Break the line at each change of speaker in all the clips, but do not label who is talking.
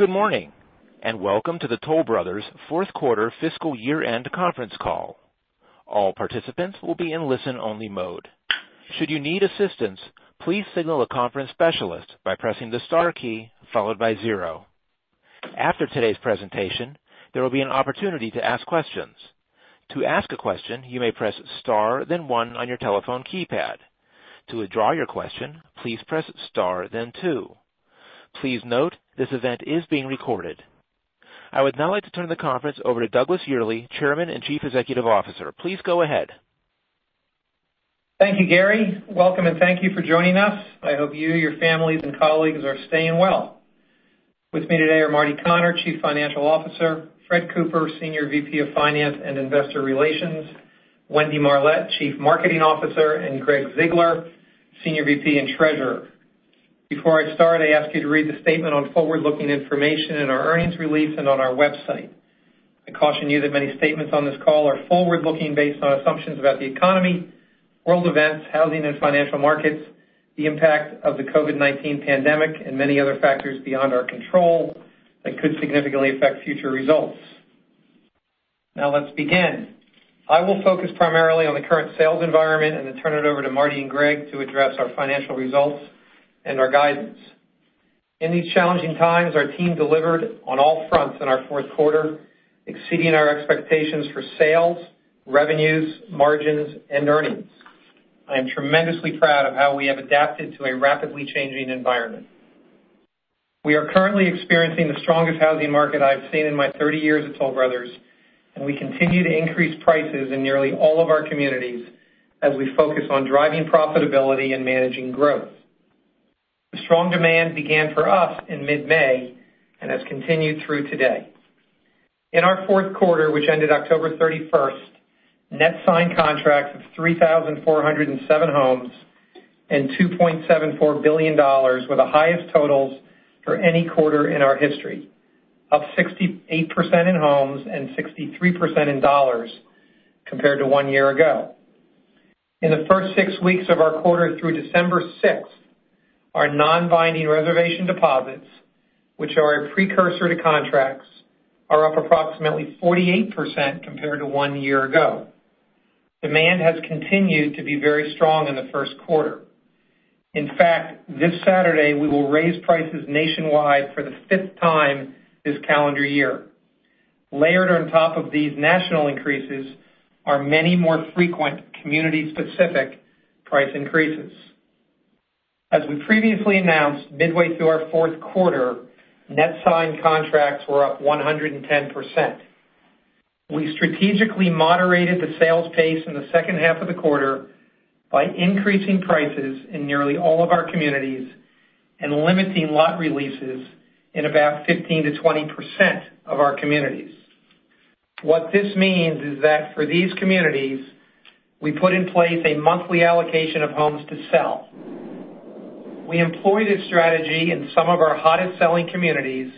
Good morning, and welcome to the Toll Brothers' Fourth Quarter Fiscal Year-end Conference Call. All participants will be in listen-only mode. Should you need assistance, please signal a conference specialist by pressing the star key followed by zero. After today's presentation, there will be an opportunity to ask questions. To ask a question, you may press star then one on your telephone keypad. To withdraw your question, please press star then two. Please note, this event is being recorded. I would now like to turn the conference over to Douglas Yearley, Chairman and Chief Executive Officer. Please go ahead.
Thank you, Gary. Welcome, and thank you for joining us. I hope you, your families, and colleagues are staying well. With me today are Marty Connor, Chief Financial Officer, Fred Cooper, Senior VP of Finance and Investor Relations, Wendy Marlett, Chief Marketing Officer, and Gregg Ziegler, Senior VP and Treasurer. Before I start, I ask you to read the statement on forward-looking information in our earnings release and on our website. I caution you that many statements on this call are forward-looking based on assumptions about the economy, world events, housing and financial markets, the impact of the COVID-19 pandemic, and many other factors beyond our control that could significantly affect future results. Now, let's begin. I will focus primarily on the current sales environment and then turn it over to Marty and Gregg to address our financial results and our guidance. In these challenging times, our team delivered on all fronts in our fourth quarter, exceeding our expectations for sales, revenues, margins, and earnings. I am tremendously proud of how we have adapted to a rapidly changing environment. We are currently experiencing the strongest housing market I have seen in my 30 years at Toll Brothers, and we continue to increase prices in nearly all of our communities as we focus on driving profitability and managing growth. The strong demand began for us in mid-May and has continued through today. In our fourth quarter, which ended October 31st, net signed contracts of 3,407 homes and $2.74 billion were the highest totals for any quarter in our history, up 68% in homes and 63% in dollars compared to one year ago. In the first six weeks of our quarter through December 6th, our non-binding reservation deposits, which are a precursor to contracts, are up approximately 48% compared to one year ago. Demand has continued to be very strong in the first quarter. In fact, this Saturday, we will raise prices nationwide for the fifth time this calendar year. Layered on top of these national increases are many more frequent community-specific price increases. As we previously announced midway through our fourth quarter, net signed contracts were up 110%. We strategically moderated the sales pace in the second half of the quarter by increasing prices in nearly all of our communities and limiting lot releases in about 15%-20% of our communities. What this means is that for these communities, we put in place a monthly allocation of homes to sell. We employ this strategy in some of our hottest-selling communities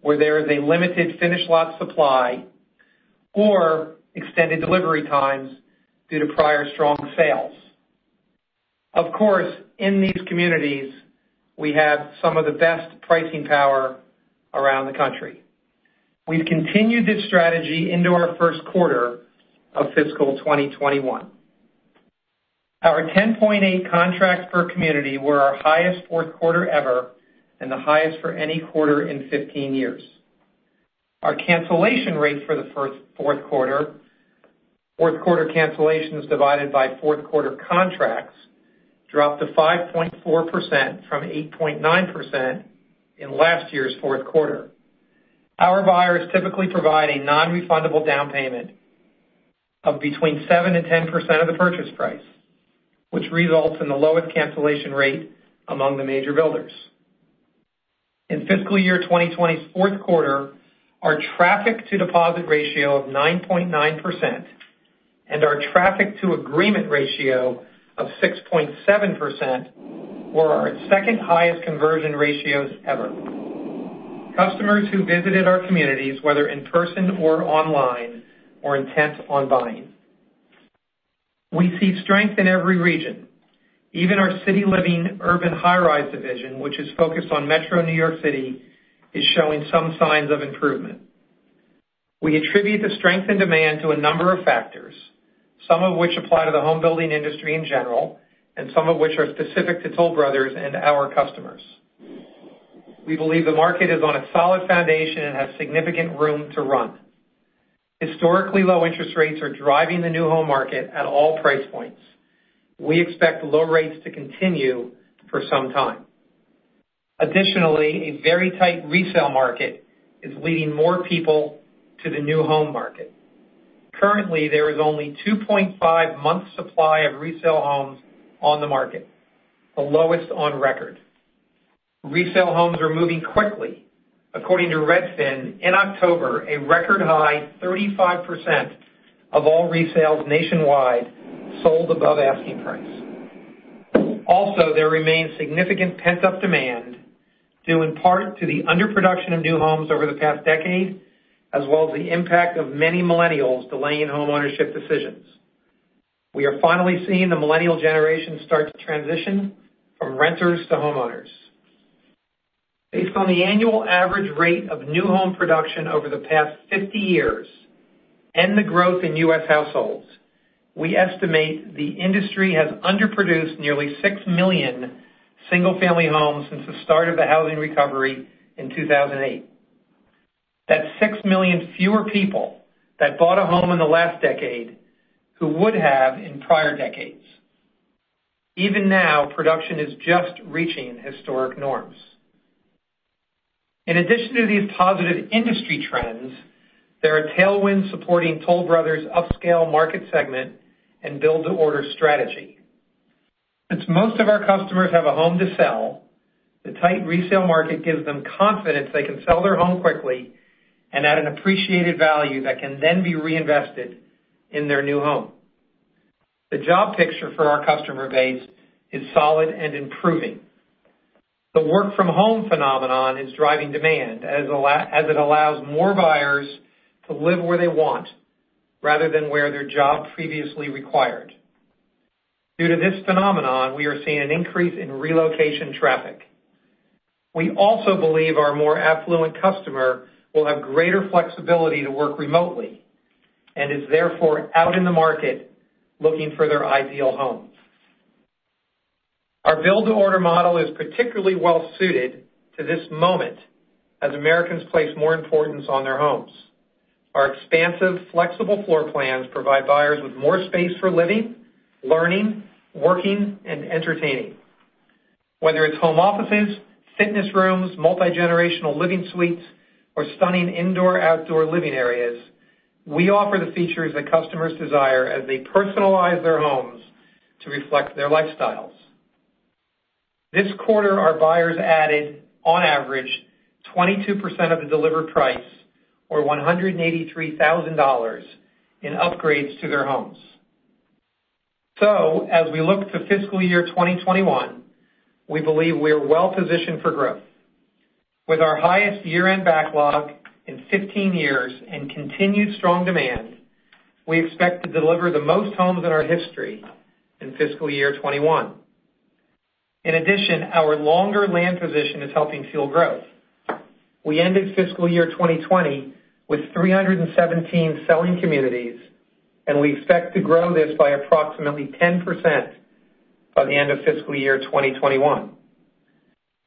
where there is a limited finished lot supply or extended delivery times due to prior strong sales. Of course, in these communities, we have some of the best pricing power around the country. We've continued this strategy into our first quarter of fiscal 2021. Our 10.8 contracts per community were our highest fourth quarter ever and the highest for any quarter in 15 years. Our cancellation rate for the fourth quarter, fourth quarter cancellations divided by fourth quarter contracts, dropped to 5.4% from 8.9% in last year's fourth quarter. Our buyers typically provide a non-refundable down payment of between 7% and 10% of the purchase price, which results in the lowest cancellation rate among the major builders. In fiscal year 2020's fourth quarter, our traffic to deposit ratio of 9.9% and our traffic to agreement ratio of 6.7% were our second highest conversion ratios ever. Customers who visited our communities, whether in person or online, were intent on buying. We see strength in every region. Even our City Living urban high-rise division, which is focused on metro New York City, is showing some signs of improvement. We attribute the strength in demand to a number of factors, some of which apply to the home building industry in general and some of which are specific to Toll Brothers and our customers. We believe the market is on a solid foundation and has significant room to run. Historically low interest rates are driving the new home market at all price points. We expect low rates to continue for some time. Additionally, a very tight resale market is leading more people to the new home market. Currently, there is only a 2.5-month supply of resale homes on the market, the lowest on record. Resale homes are moving quickly. According to Redfin, in October, a record high 35% of all resales nationwide sold above asking price. There remains significant pent-up demand due in part to the underproduction of new homes over the past decade, as well as the impact of many Millennials delaying homeownership decisions. We are finally seeing the Millennial generation start to transition from renters to homeowners. Based on the annual average rate of new home production over the past 50 years and the growth in U.S. households, we estimate the industry has underproduced nearly 6 million single-family homes since the start of the housing recovery in 2008. That's 6 million fewer people that bought a home in the last decade who would have in prior decades. Even now, production is just reaching historic norms. In addition to these positive industry trends, there are tailwinds supporting Toll Brothers' upscale market segment and build-to-order strategy. Since most of our customers have a home to sell, the tight resale market gives them confidence they can sell their home quickly and at an appreciated value that can then be reinvested in their new home. The job picture for our customer base is solid and improving. The work-from-home phenomenon is driving demand, as it allows more buyers to live where they want rather than where their job previously required. Due to this phenomenon, we are seeing an increase in relocation traffic. We also believe our more affluent customer will have greater flexibility to work remotely and is therefore out in the market looking for their ideal home. Our build-to-order model is particularly well-suited to this moment, as Americans place more importance on their homes. Our expansive, flexible floor plans provide buyers with more space for living, learning, working, and entertaining. Whether it's home offices, fitness rooms, multigenerational living suites, or stunning indoor-outdoor living areas, we offer the features that customers desire as they personalize their homes to reflect their lifestyles. This quarter, our buyers added, on average, 22% of the delivered price, or $183,000, in upgrades to their homes. As we look to fiscal year 2021, we believe we are well-positioned for growth. With our highest year-end backlog in 15 years and continued strong demand, we expect to deliver the most homes in our history in fiscal year '21. In addition, our longer land position is helping fuel growth. We ended fiscal year 2020 with 317 selling communities, and we expect to grow this by approximately 10% by the end of fiscal year 2021.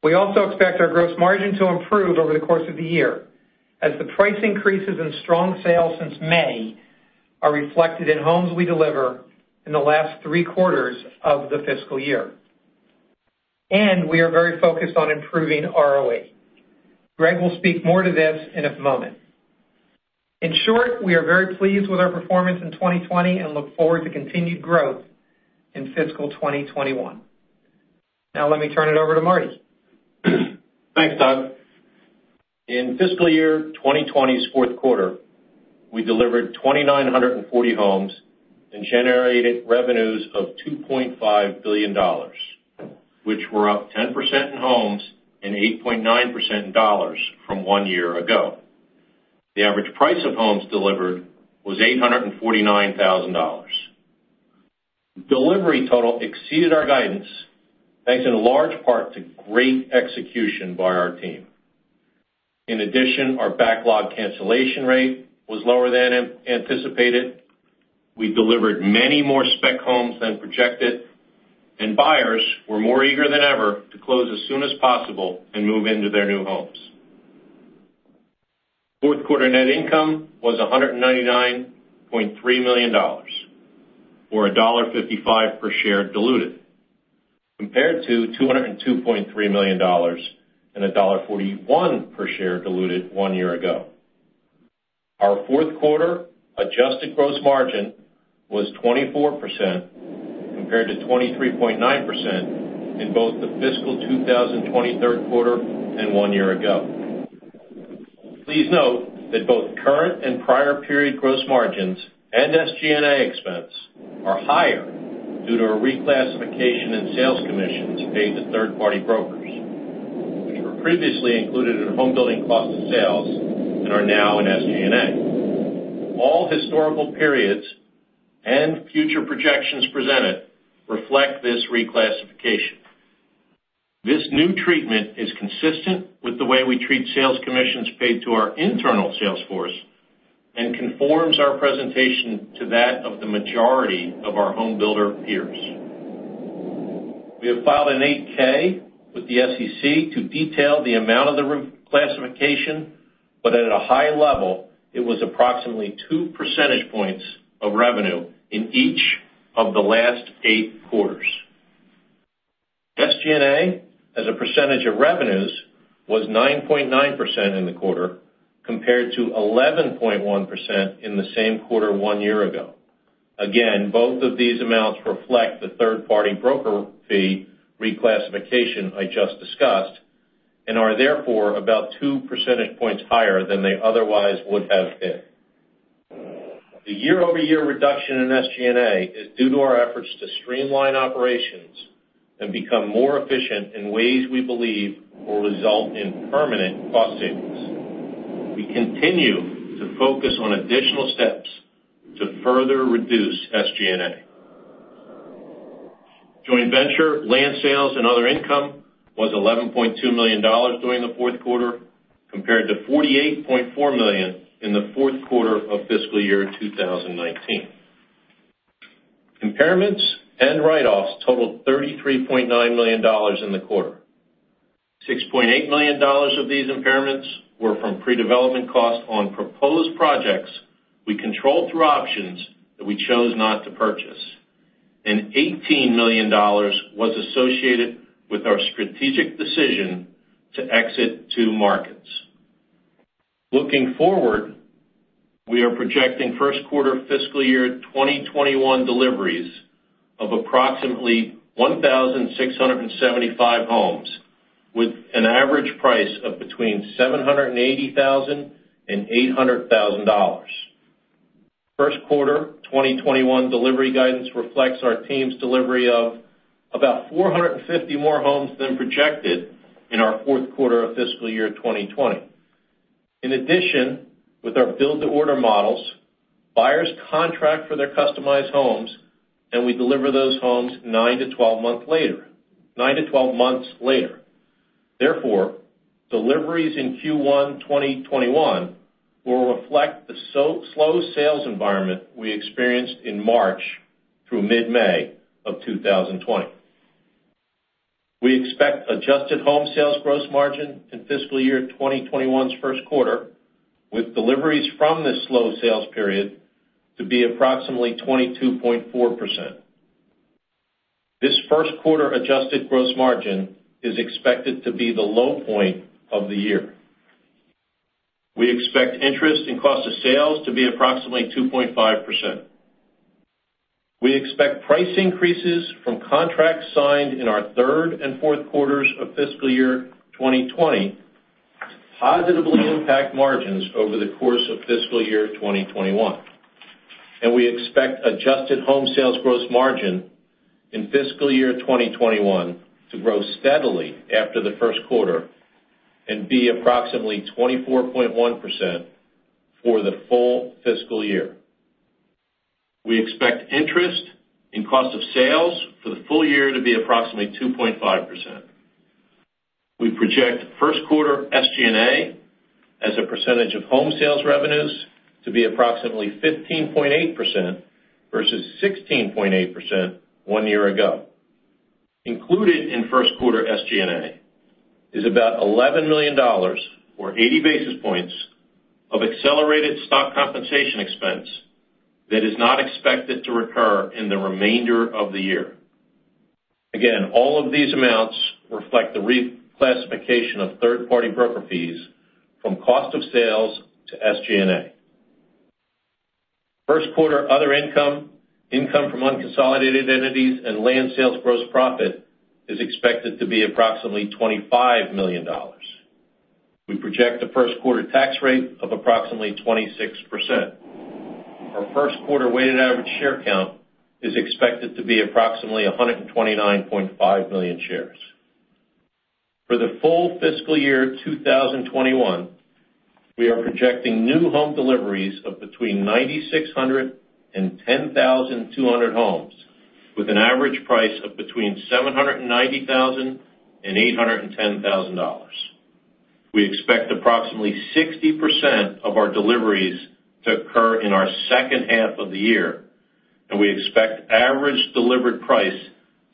We also expect our gross margin to improve over the course of the year as the price increases and strong sales since May are reflected in homes we deliver in the last three quarters of the fiscal year. We are very focused on improving ROE. Gregg will speak more to this in a moment. In short, we are very pleased with our performance in 2020 and look forward to continued growth in fiscal 2021. Now let me turn it over to Marty.
Thanks, Doug. In fiscal year 2020's fourth quarter, we delivered 2,940 homes and generated revenues of $2.5 billion, which were up 10% in homes and 8.9% in dollars from one year ago. The average price of homes delivered was $849,000. Delivery total exceeded our guidance thanks in large part to great execution by our team. In addition, our backlog cancellation rate was lower than anticipated, we delivered many more spec homes than projected, and buyers were more eager than ever to close as soon as possible and move into their new homes. Fourth quarter net income was $199.3 million, or $1.55 per share diluted, compared to $202.3 million and $1.41 per share diluted one year ago. Our fourth quarter adjusted gross margin was 24%, compared to 23.9% in both the fiscal 2020 third quarter and one year ago. Please note that both current and prior period gross margins and SG&A expense are higher due to a reclassification in sales commissions paid to third-party brokers, which were previously included in homebuilding cost of sales and are now in SG&A. All historical periods and future projections presented reflect this reclassification. This new treatment is consistent with the way we treat sales commissions paid to our internal sales force and conforms our presentation to that of the majority of our homebuilder peers. We have filed an 8-K with the SEC to detail the amount of the reclassification, but at a high level, it was approximately two percentage points of revenue in each of the last eight quarters. SG&A as a percentage of revenues was 9.9% in the quarter, compared to 11.1% in the same quarter one year ago. Again, both of these amounts reflect the third-party broker fee reclassification I just discussed and are therefore about two percentage points higher than they otherwise would have been. The year-over-year reduction in SG&A is due to our efforts to streamline operations and become more efficient in ways we believe will result in permanent cost savings. We continue to focus on additional steps to further reduce SG&A. Joint venture, land sales, and other income was $11.2 million during the fourth quarter, compared to $48.4 million in the fourth quarter of fiscal year 2019. Impairments and write-offs totaled $33.9 million in the quarter. $6.8 million of these impairments were from pre-development costs on proposed projects we controlled through options that we chose not to purchase, and $18 million was associated with our strategic decision to exit two markets. Looking forward, we are projecting first quarter fiscal year 2021 deliveries of approximately 1,675 homes with an average price of between $780,000 and $800,000. First quarter 2021 delivery guidance reflects our team's delivery of about 450 more homes than projected in our fourth quarter of fiscal year 2020. In addition, with our build-to-order models, buyers contract for their customized homes, and we deliver those homes nine to 12 months later. Therefore, deliveries in Q1 2021 will reflect the slow sales environment we experienced in March through mid-May of 2020. We expect adjusted home sales gross margin in fiscal year 2021's first quarter with deliveries from this slow sales period to be approximately 22.4%. This first quarter adjusted gross margin is expected to be the low point of the year. We expect interest in cost of sales to be approximately 2.5%. We expect price increases from contracts signed in our third and fourth quarters of fiscal year 2020 to positively impact margins over the course of fiscal year 2021. We expect adjusted home sales gross margin in fiscal year 2021 to grow steadily after the first quarter and be approximately 24.1% for the full fiscal year. We expect interest in cost of sales for the full year to be approximately 2.5%. We project first quarter SG&A as a percentage of home sales revenues to be approximately 15.8% versus 16.8% one year ago. Included in first quarter SG&A is about $11 million, or 80 basis points of accelerated stock compensation expense that is not expected to recur in the remainder of the year. Again, all of these amounts reflect the reclassification of third-party broker fees from cost of sales to SG&A. First quarter other income from unconsolidated entities, and land sales gross profit is expected to be approximately $25 million. We project a first quarter tax rate of approximately 26%. Our first quarter weighted average share count is expected to be approximately 129.5 million shares. For the full fiscal year 2021, we are projecting new home deliveries of between 9,600 and 10,200 homes, with an average price of between $790,000 and $810,000. We expect approximately 60% of our deliveries to occur in our second half of the year, and we expect average delivered price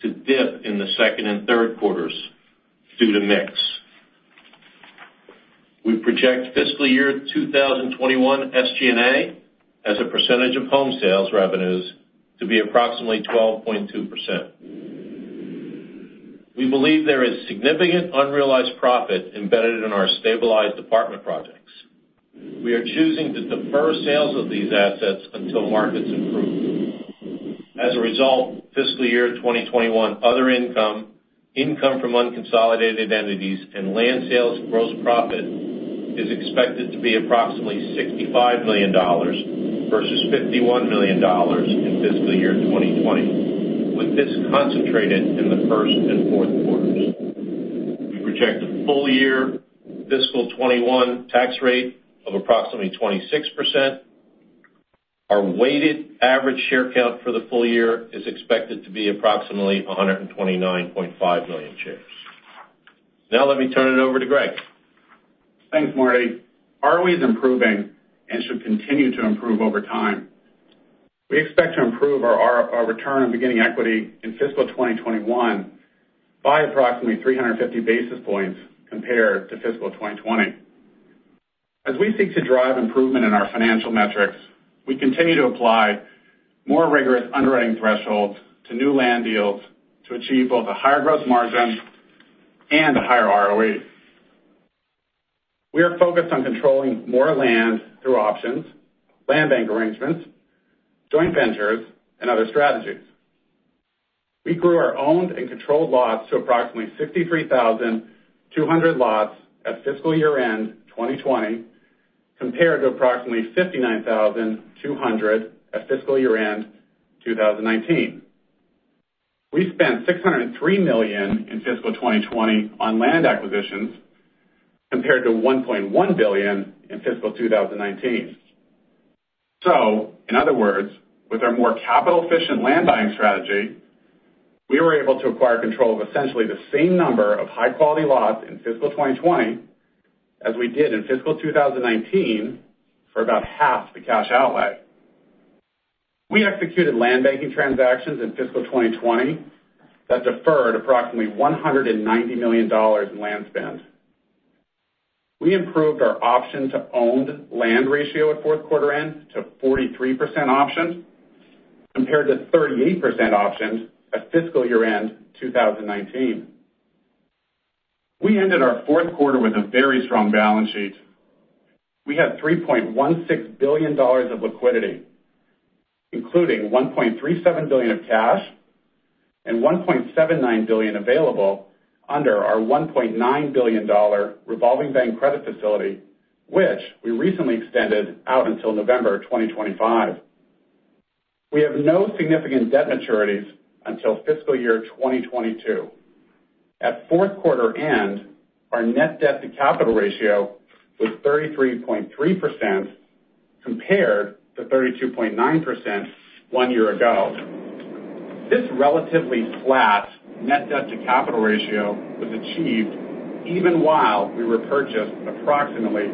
to dip in the second and third quarters due to mix. We project fiscal year 2021 SG&A as a percentage of home sales revenues to be approximately 12.2%. We believe there is significant unrealized profit embedded in our stabilized apartment projects. We are choosing to defer sales of these assets until markets improve. As a result, fiscal year 2021 other income from unconsolidated entities, and land sales gross profit is expected to be approximately $65 million versus $51 million in fiscal year 2020, with this concentrated in the first and fourth quarters. We project a full-year fiscal 2021 tax rate of approximately 26%. Our weighted average share count for the full year is expected to be approximately 129.5 million shares. Let me turn it over to Gregg.
Thanks, Marty. ROE is improving and should continue to improve over time. We expect to improve our return on beginning equity in fiscal 2021 by approximately 350 basis points compared to fiscal 2020. As we seek to drive improvement in our financial metrics, we continue to apply more rigorous underwriting thresholds to new land deals to achieve both a higher gross margin and a higher ROE. We are focused on controlling more land through options, land bank arrangements, joint ventures, and other strategies. We grew our owned and controlled lots to approximately 63,200 lots at fiscal year-end 2020, compared to approximately 59,200 at fiscal year-end 2019. We spent $603 million in fiscal 2020 on land acquisitions, compared to $1.1 billion in fiscal 2019. In other words, with our more capital-efficient land buying strategy, we were able to acquire control of essentially the same number of high-quality lots in fiscal 2020 as we did in fiscal 2019 for about half the cash outlay. We executed land banking transactions in fiscal 2020 that deferred approximately $190 million in land spend. We improved our option-to-owned land ratio at fourth quarter end to 43% optioned, compared to 38% optioned at fiscal year-end 2019. We ended our fourth quarter with a very strong balance sheet. We had $3.16 billion of liquidity, including $1.37 billion of cash and $1.79 billion available under our $1.9 billion revolving bank credit facility, which we recently extended out until November 2025. We have no significant debt maturities until fiscal year 2022. At fourth quarter end, our net debt to capital ratio was 33.3%, compared to 32.9% one year ago. This relatively flat net debt to capital ratio was achieved even while we repurchased approximately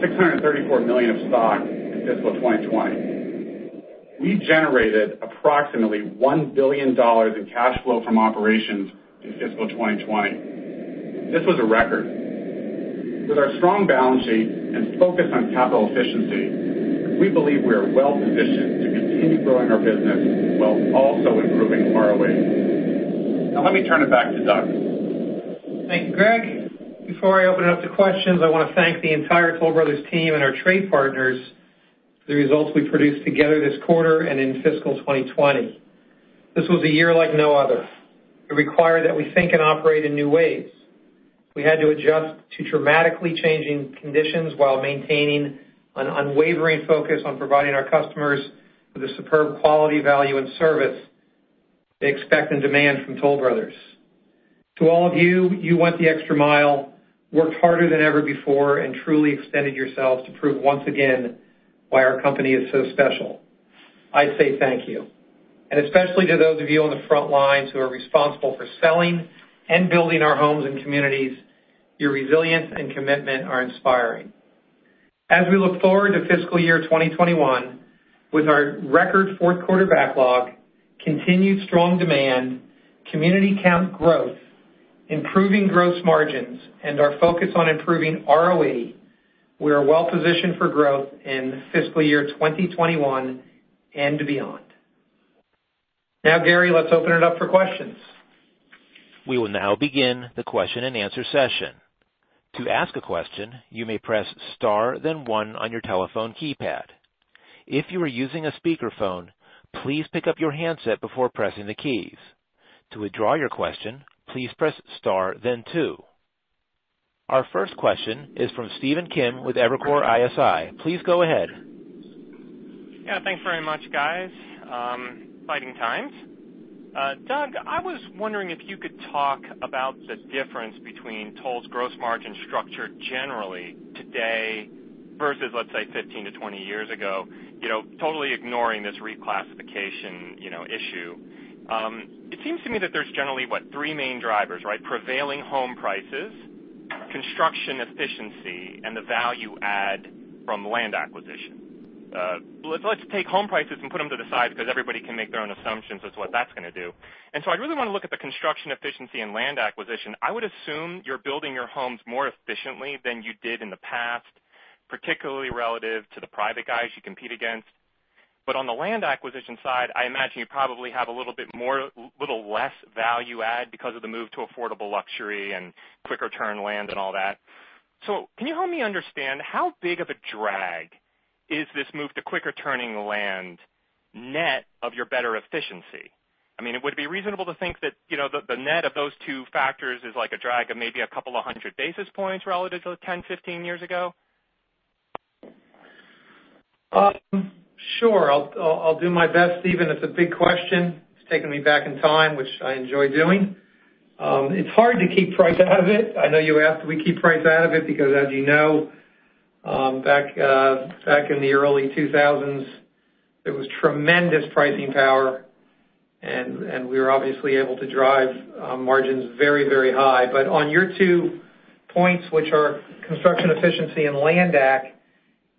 $634 million of stock in fiscal 2020. We generated approximately $1 billion in cash flow from operations in fiscal 2020. This was a record. With our strong balance sheet and focus on capital efficiency, we believe we are well-positioned to continue growing our business while also improving ROE. Let me turn it back to Doug.
Thank you, Gregg. Before I open it up to questions, I want to thank the entire Toll Brothers team and our trade partners for the results we produced together this quarter and in fiscal 2020. This was a year like no other. It required that we think and operate in new ways. We had to adjust to dramatically changing conditions while maintaining an unwavering focus on providing our customers with the superb quality, value, and service they expect and demand from Toll Brothers. To all of you went the extra mile, worked harder than ever before, and truly extended yourselves to prove once again why our company is so special. I say thank you, and especially to those of you on the front lines who are responsible for selling and building our homes and communities. Your resilience and commitment are inspiring. As we look forward to fiscal year 2021 with our record fourth quarter backlog, continued strong demand, community count growth, improving gross margins, and our focus on improving ROE, we are well positioned for growth in fiscal year 2021 and beyond. Now, Gary, let's open it up for questions.
We will now begin the question and answer session. To ask a question, you may press star then one on your telephone keypad. If you are using a speakerphone, please pick up your handset before pressing the keys. To withdraw your question, please press star then two. Our first question is from Stephen Kim with Evercore ISI. Please go ahead.
Yeah. Thanks very much, guys. Exciting times. Doug, I was wondering if you could talk about the difference between Toll's gross margin structure generally today versus, let's say, 15-20 years ago, totally ignoring this reclassification issue. It seems to me that there's generally, what, three main drivers, right? Prevailing home prices, construction efficiency, and the value add from land acquisition. Let's take home prices and put them to the side because everybody can make their own assumptions as to what that's going to do. I really want to look at the construction efficiency and land acquisition. I would assume you're building your homes more efficiently than you did in the past, particularly relative to the private guys you compete against. On the land acquisition side, I imagine you probably have a little less value add because of the move to affordable luxury and quicker turn land and all that. Can you help me understand how big of a drag is this move to quicker turning land net of your better efficiency? Would it be reasonable to think that the net of those two factors is like a drag of maybe a couple of hundred basis points relative to 10, 15 years ago?
Sure. I'll do my best, Stephen. It's a big question. It's taking me back in time, which I enjoy doing. It's hard to keep price out of it. I know you asked, we keep price out of it because as you know, back in the early 2000s, there was tremendous pricing power and we were obviously able to drive margins very, very high. On your two points, which are construction efficiency and land acq,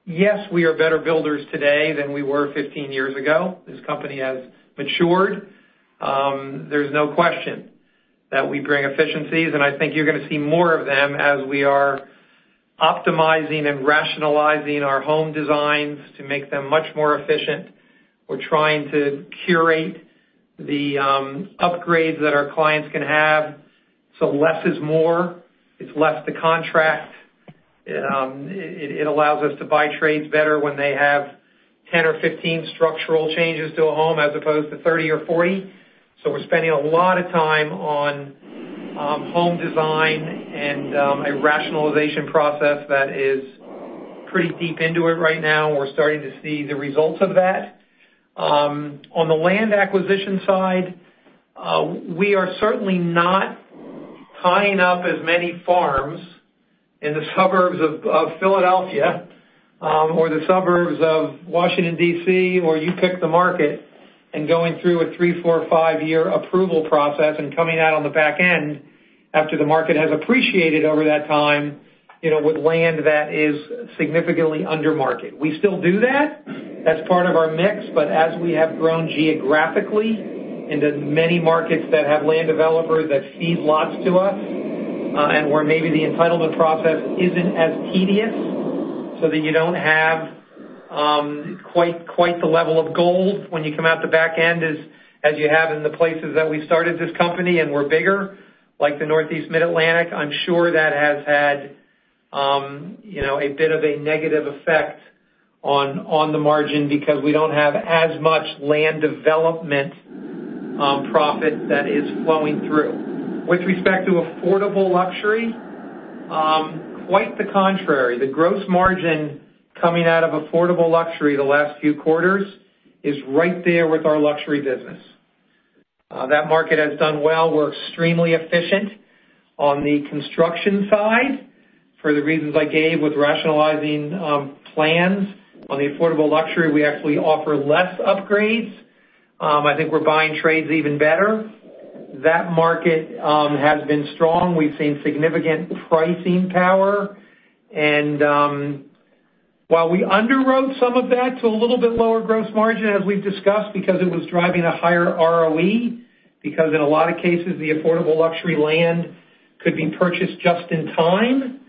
yes, we are better builders today than we were 15 years ago. This company has matured. There's no question that we bring efficiencies, and I think you're going to see more of them as we are optimizing and rationalizing our home designs to make them much more efficient. We're trying to curate the upgrades that our clients can have, so less is more. It's less to contract. It allows us to buy trades better when they have 10 or 15 structural changes to a home as opposed to 30 or 40. We're spending a lot of time, home design, and a rationalization process that is pretty deep into it right now. We're starting to see the results of that. On the land acquisition side, we are certainly not tying up as many farms in the suburbs of Philadelphia or the suburbs of Washington, D.C., or you pick the market, and going through a three, four, five-year approval process and coming out on the back end after the market has appreciated over that time, with land that is significantly under market. We still do that as part of our mix, but as we have grown geographically into many markets that have land developers that feed lots to us, and where maybe the entitlement process isn't as tedious, so that you don't have quite the level of gold when you come out the back end as you have in the places that we started this company and we're bigger, like the Northeast Mid-Atlantic. I'm sure that has had a bit of a negative effect on the margin because we don't have as much land development profit that is flowing through. With respect to affordable luxury, quite the contrary. The gross margin coming out of affordable luxury the last few quarters is right there with our luxury business. That market has done well. We're extremely efficient on the construction side for the reasons I gave with rationalizing plans. On the affordable luxury, we actually offer less upgrades. I think we're buying trades even better. That market has been strong. We've seen significant pricing power. While we underwrote some of that to a little bit lower gross margin as we've discussed, because it was driving a higher ROE, because in a lot of cases, the affordable luxury land could be purchased just in time.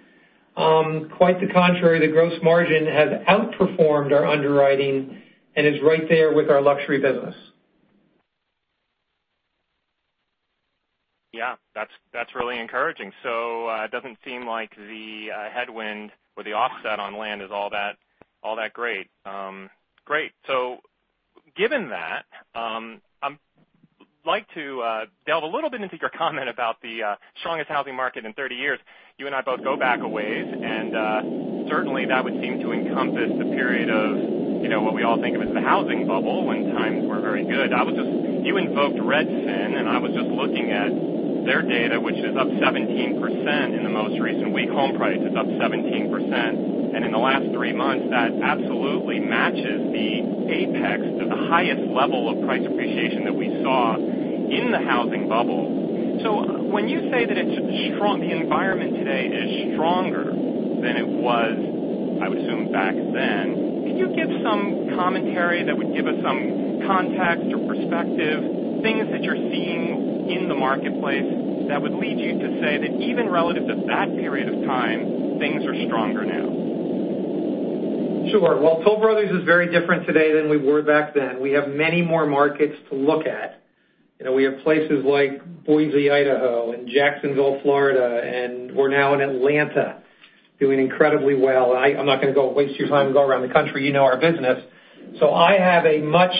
Quite the contrary, the gross margin has outperformed our underwriting and is right there with our luxury business.
Yeah, that's really encouraging. It doesn't seem like the headwind or the offset on land is all that great. Great. Given that, I'd like to delve a little bit into your comment about the strongest housing market in 30 years. You and I both go back a ways, and certainly, that would seem to encompass the period of what we all think of as the housing bubble when times were very good. You invoked Redfin, and I was just looking at their data, which is up 17% in the most recent week. Home price is up 17%. In the last three months, that absolutely matches the apex to the highest level of price appreciation that we saw in the housing bubble. When you say that the environment today is stronger than it was, I would assume back then, can you give some commentary that would give us some context or perspective, things that you're seeing in the marketplace that would lead you to say that even relative to that period of time, things are stronger now?
Sure. Toll Brothers is very different today than we were back then. We have many more markets to look at. We have places like Boise, Idaho, and Jacksonville, Florida, and we're now in Atlanta doing incredibly well. I'm not going to waste your time and go around the country. You know our business. I have a much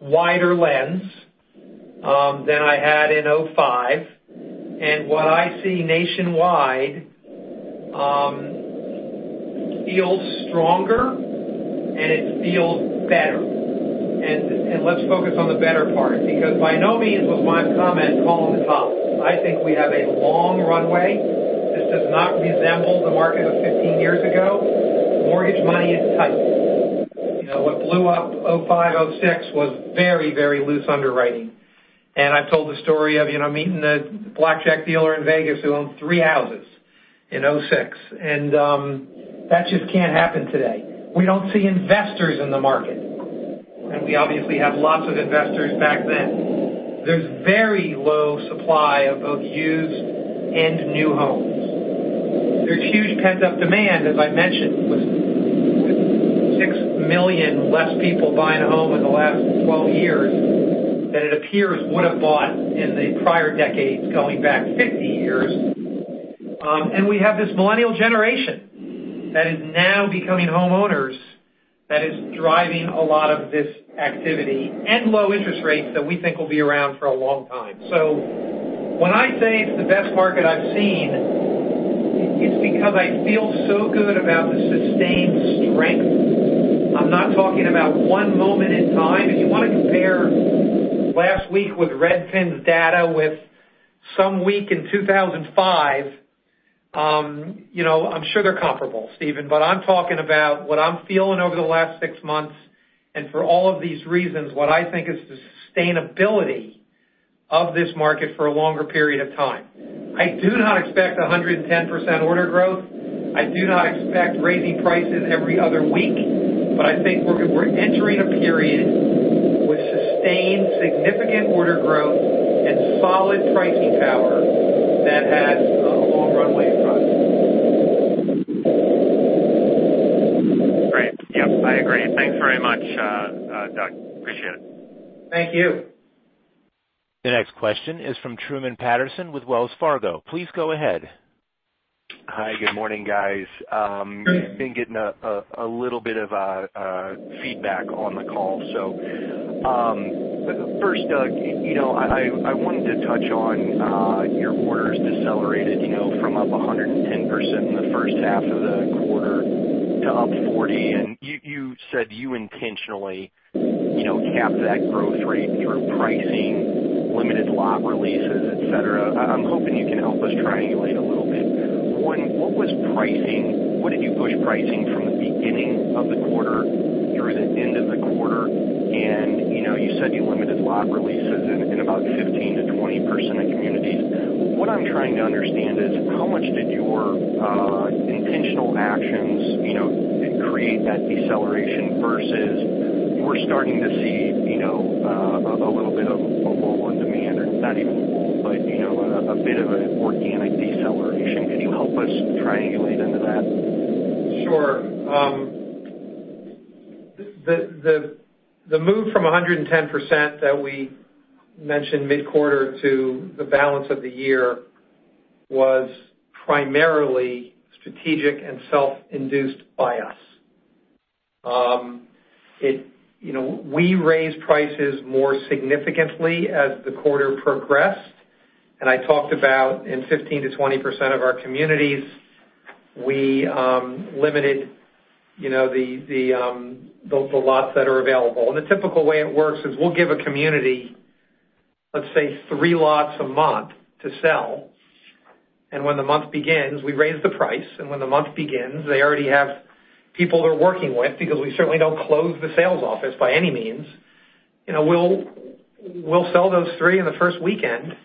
wider lens than I had in 2005, and what I see nationwide feels stronger, and it feels better. Let's focus on the better part, because by no means was my comment calling the top. I think we have a long runway. This does not resemble the market of 15 years ago. Mortgage money is tight. What blew up 2005, 2006 was very loose underwriting. I've told the story of meeting a blackjack dealer in Vegas who owned three houses in 2006. That just can't happen today. We don't see investors in the market. We obviously had lots of investors back then. There's very low supply of both used and new homes. There's huge pent-up demand, as I mentioned, with 6 million less people buying a home in the last 12 years than it appears would have bought in the prior decades, going back 50 years. We have this millennial generation that is now becoming homeowners, that is driving a lot of this activity and low interest rates that we think will be around for a long time. When I say it's the best market I've seen, it's because I feel so good about the sustained strength. I'm not talking about one moment in time. If you want to compare last week with Redfin's data with some week in 2005, I'm sure they're comparable, Stephen, but I'm talking about what I'm feeling over the last six months, and for all of these reasons, what I think is the sustainability of this market for a longer period of time. I do not expect 110% order growth. I do not expect raising prices every other week. I think we're entering a period with sustained significant order growth and solid pricing power that has a long runway in front of it.
Great. Yep, I agree. Thanks very much, Doug. Appreciate it.
Thank you.
The next question is from Truman Patterson with Wells Fargo. Please go ahead.
Hi, good morning, guys. I've been getting a little bit of feedback on the call. First, Doug, I wanted to touch on your orders decelerated from up 110% in the first half of the quarter to up 40%. You said you intentionally capped that growth rate through pricing, limited lot releases, et cetera. I'm hoping you can help us triangulate a little bit. One, what was pricing? What did you push pricing from the beginning of the quarter through the end of the quarter? You said you limited lot releases in about 15%-20% of communities. What I'm trying to understand is how much did your intentional actions create that deceleration versus we're starting to see a little bit of a lull in demand, or not even lull, but a bit of an organic deceleration. Can you help us triangulate into that?
Sure. The move from 110% that we mentioned mid-quarter to the balance of the year was primarily strategic and self-induced by us. We raised prices more significantly as the quarter progressed, I talked about in 15%-20% of our communities, we limited the lots that are available. The typical way it works is we'll give a community, let's say, three lots a month to sell. When the month begins, we raise the price. When the month begins, they already have people they're working with because we certainly don't close the sales office by any means. We'll sell those three in the first weekend,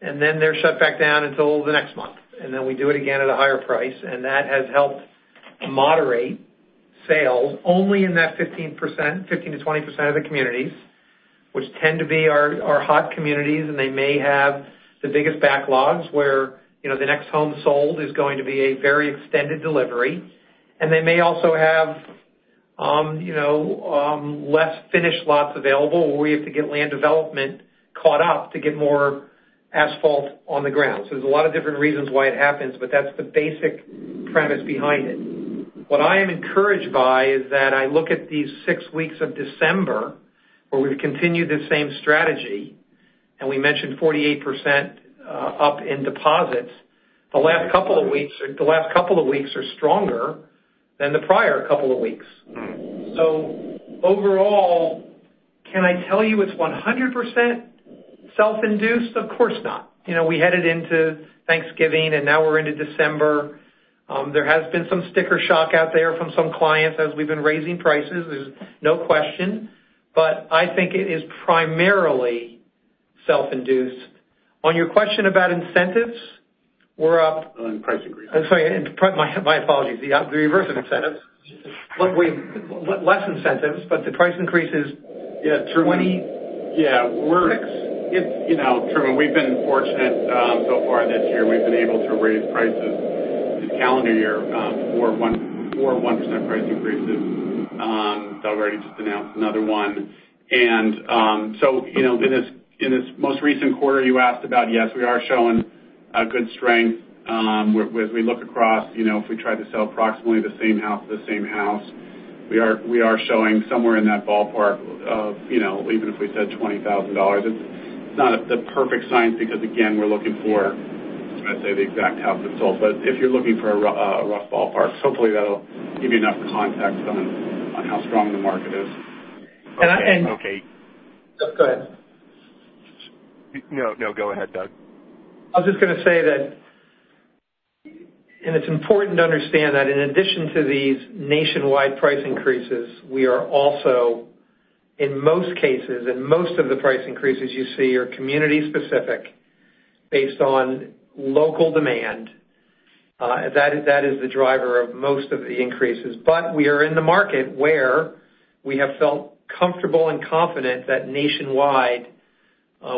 and then they're shut back down until the next month. Then we do it again at a higher price. That has helped moderate sales only in that 15%-20% of the communities, which tend to be our hot communities, and they may have the biggest backlogs where the next home sold is going to be a very extended delivery. They may also have less finished lots available, or we have to get land development caught up to get more asphalt on the ground. There's a lot of different reasons why it happens, but that's the basic premise behind it. What I am encouraged by is that I look at these six weeks of December where we've continued the same strategy, and we mentioned 48% up in deposits. The last couple of weeks are stronger than the prior couple of weeks. Overall, can I tell you it's 100% self-induced? Of course not. We headed into Thanksgiving and now we're into December. There has been some sticker shock out there from some clients as we've been raising prices. There's no question, I think it is primarily self-induced. On your question about incentives, we're up-
On price increases.
I'm sorry. My apologies. The reverse of incentives. Less incentives, the price increases 20-
Yeah.
-26.
Yeah. Truman, we've been fortunate so far this year. We've been able to raise prices this calendar year, four 1% price increases. Doug already just announced another one. In this most recent quarter you asked about, yes, we are showing a good strength. As we look across, if we try to sell approximately the same house, we are showing somewhere in that ballpark of even if we said $20,000. It's not a perfect science because again, we're looking for, I'd say the exact house that's sold. If you're looking for a rough ballpark, hopefully that'll give you enough context on how strong the market is.
Doug, go ahead.
No, go ahead, Doug.
It's important to understand that in addition to these nationwide price increases, we are also, in most cases, and most of the price increases you see are community specific based on local demand. That is the driver of most of the increases. We are in the market where we have felt comfortable and confident that nationwide,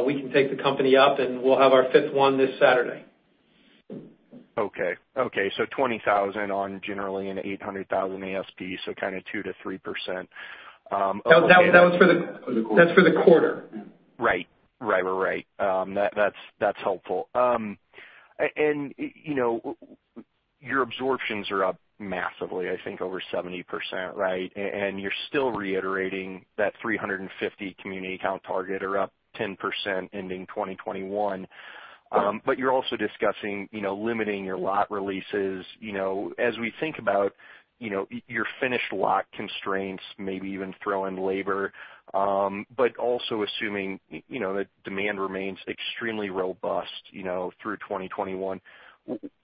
we can take the company up, and we'll have our fifth one this Saturday.
Okay. $20,000 on generally an $800,000 ASP, so kind of 2% to 3%. Okay.
That's for the quarter.
Right. That's helpful. Your absorptions are up massively, I think over 70%, right? You're still reiterating that 350 community count target or up 10% ending 2021. You're also discussing limiting your lot releases. As we think about your finished lot constraints, maybe even throw in labor, but also assuming that demand remains extremely robust through 2021.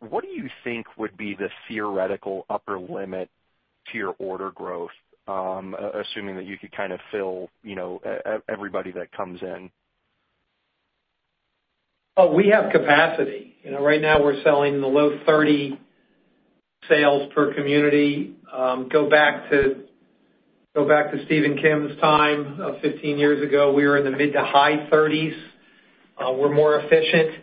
What do you think would be the theoretical upper limit to your order growth, assuming that you could kind of fill everybody that comes in?
We have capacity. Right now we're selling the low 30 sales per community. Go back to Stephen Kim's time of 15 years ago, we were in the mid to high 30s. We're more efficient.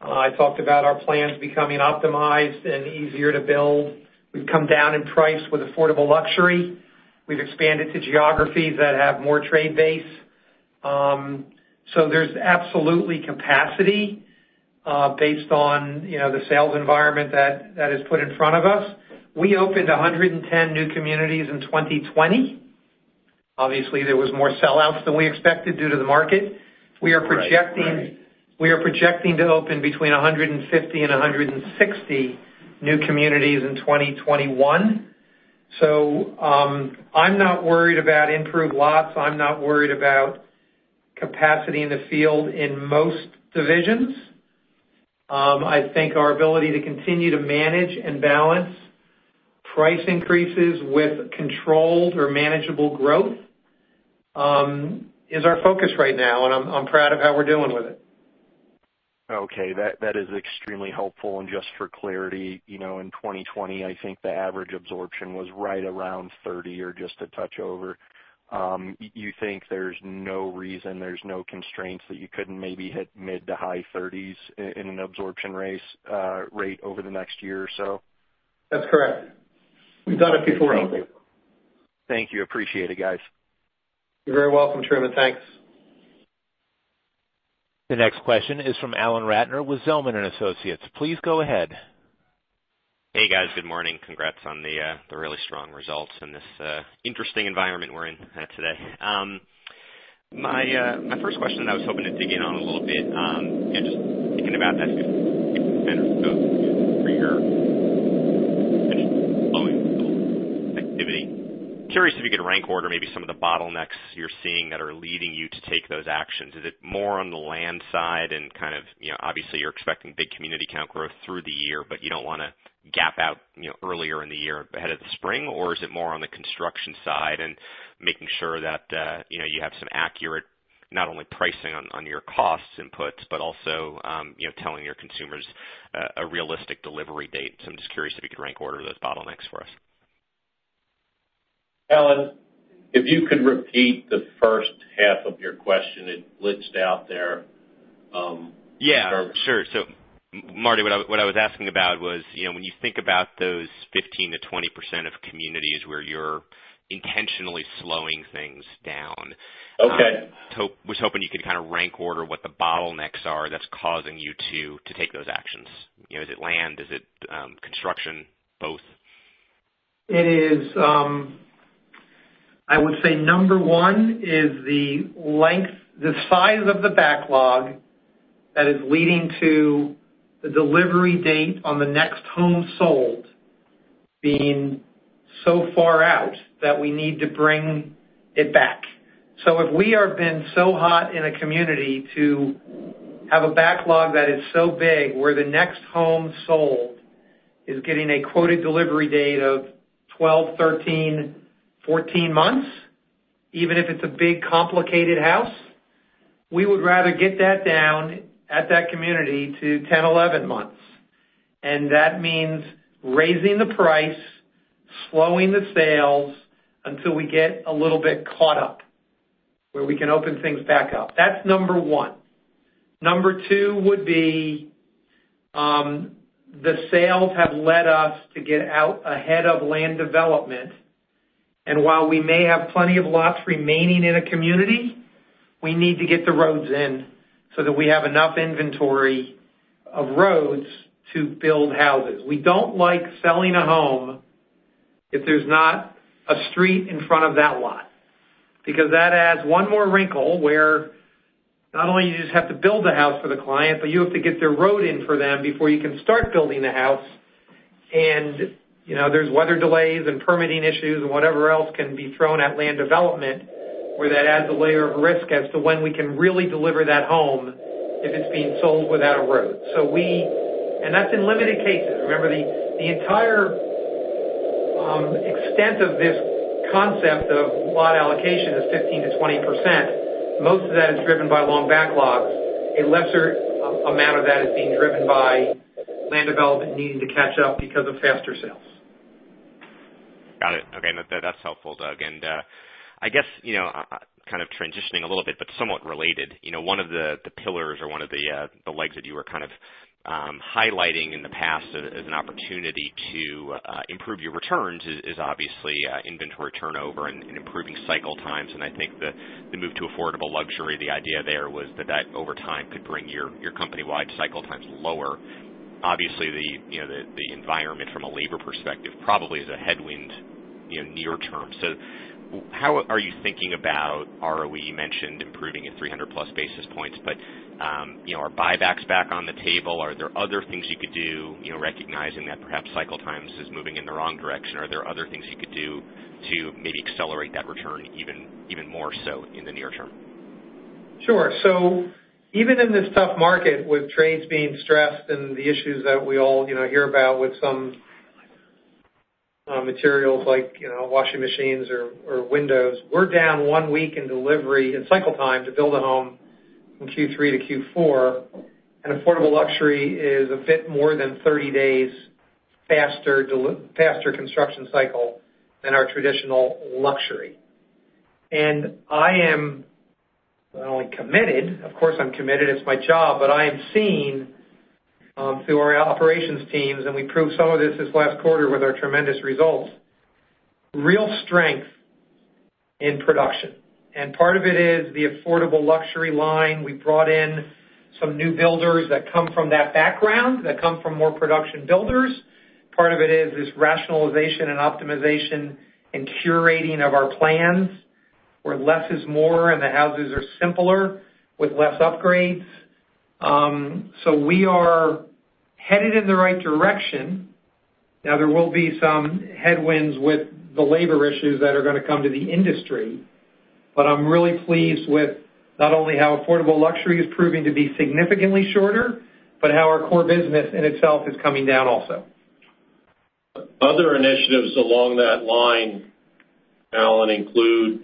I talked about our plans becoming optimized and easier to build. We've come down in price with affordable luxury. We've expanded to geographies that have more trade base. There's absolutely capacity based on the sales environment that is put in front of us. We opened 110 new communities in 2020. Obviously, there was more sellouts than we expected due to the market.
Right.
We are projecting to open between 150 and 160 new communities in 2021. I'm not worried about improved lots. I'm not worried about capacity in the field in most divisions. I think our ability to continue to manage and balance price increases with controlled or manageable growth, is our focus right now, and I'm proud of how we're dealing with it.
Okay. That is extremely helpful. Just for clarity, in 2020, I think the average absorption was right around 30 or just a touch over. You think there's no reason, there's no constraints that you couldn't maybe hit mid to high 30s in an absorption rate over the next year or so?
That's correct. We've done it before.
Thank you. Appreciate it, guys.
You're very welcome, Truman. Thanks.
The next question is from Alan Ratner with Zelman & Associates. Please go ahead.
Hey, guys. Good morning. Congrats on the really strong results in this interesting environment we're in today. My first question, I was hoping to dig in on a little bit, just thinking about that 15%-20% for your company slowing activity. Curious if you could rank order maybe some of the bottlenecks you're seeing that are leading you to take those actions. Is it more on the land side and kind of, obviously you're expecting big community count growth through the year, but you don't want to gap out earlier in the year ahead of the spring, or is it more on the construction side and making sure that you have some accurate, not only pricing on your costs inputs, but also telling your consumers a realistic delivery date. I'm just curious if you could rank order those bottlenecks for us.
Alan, if you could repeat the first half of your question, it glitched out there.
Yeah, sure. Marty, what I was asking about was, when you think about those 15%-20% of communities where you're intentionally slowing things down?
Okay
was hoping you could kind of rank order what the bottlenecks are that's causing you to take those actions. Is it land? Is it construction? Both?
It is. I would say number one is the size of the backlog that is leading to the delivery date on the next home sold being so far out that we need to bring it back. If we have been so hot in a community to have a backlog that is so big, where the next home sold is getting a quoted delivery date of 12, 13, 14 months, even if it's a big, complicated house, we would rather get that down at that community to 10, 11 months. That means raising the price, slowing the sales until we get a little bit caught up where we can open things back up. That's number one. Number two would be, the sales have led us to get out ahead of land development. While we may have plenty of lots remaining in a community, we need to get the roads in that we have enough inventory of roads to build houses. We don't like selling a home if there's not a street in front of that lot. That adds one more wrinkle where not only you just have to build the house for the client, you have to get their road in for them before you can start building the house. There's weather delays and permitting issues and whatever else can be thrown at land development where that adds a layer of risk as to when we can really deliver that home if it's being sold without a road. That's in limited cases. The entire extent of this concept of lot allocation is 15%-20%. Most of that is driven by long backlogs. A lesser amount of that is being driven by land development needing to catch up because of faster sales.
Got it. Okay. That's helpful, Doug. I guess, kind of transitioning a little bit, but somewhat related, one of the pillars or one of the legs that you were kind of highlighting in the past as an opportunity to improve your returns is obviously inventory turnover and improving cycle times. I think the move to affordable luxury, the idea there was that that over time could bring your company-wide cycle times lower. Obviously, the environment from a labor perspective probably is a headwind near term. How are you thinking about ROE? You mentioned improving at 300-plus basis points, but are buybacks back on the table? Are the other things you could do, recognizing that perhaps cycle times is moving in the wrong direction? Are there other things you could do to maybe accelerate that return even more so in the near term?
Sure. Even in this tough market with trades being stressed and the issues that we all hear about with some materials like washing machines or windows, we're down one week in delivery and cycle time to build a home from Q3 to Q4. affordable luxury is a bit more than 30 days faster construction cycle than our traditional luxury. I am not only committed, of course, I'm committed, it's my job, but I am seeing through our operations teams, and we proved some of this this last quarter with our tremendous results. Real strength in production. Part of it is the affordable luxury line. We brought in some new builders that come from that background, that come from more production builders. Part of it is this rationalization and optimization and curating of our plans, where less is more, and the houses are simpler with less upgrades. We are headed in the right direction. Now, there will be some headwinds with the labor issues that are going to come to the industry. I'm really pleased with not only how affordable luxury is proving to be significantly shorter, but how our core business in itself is coming down also.
Other initiatives along that line, Alan, include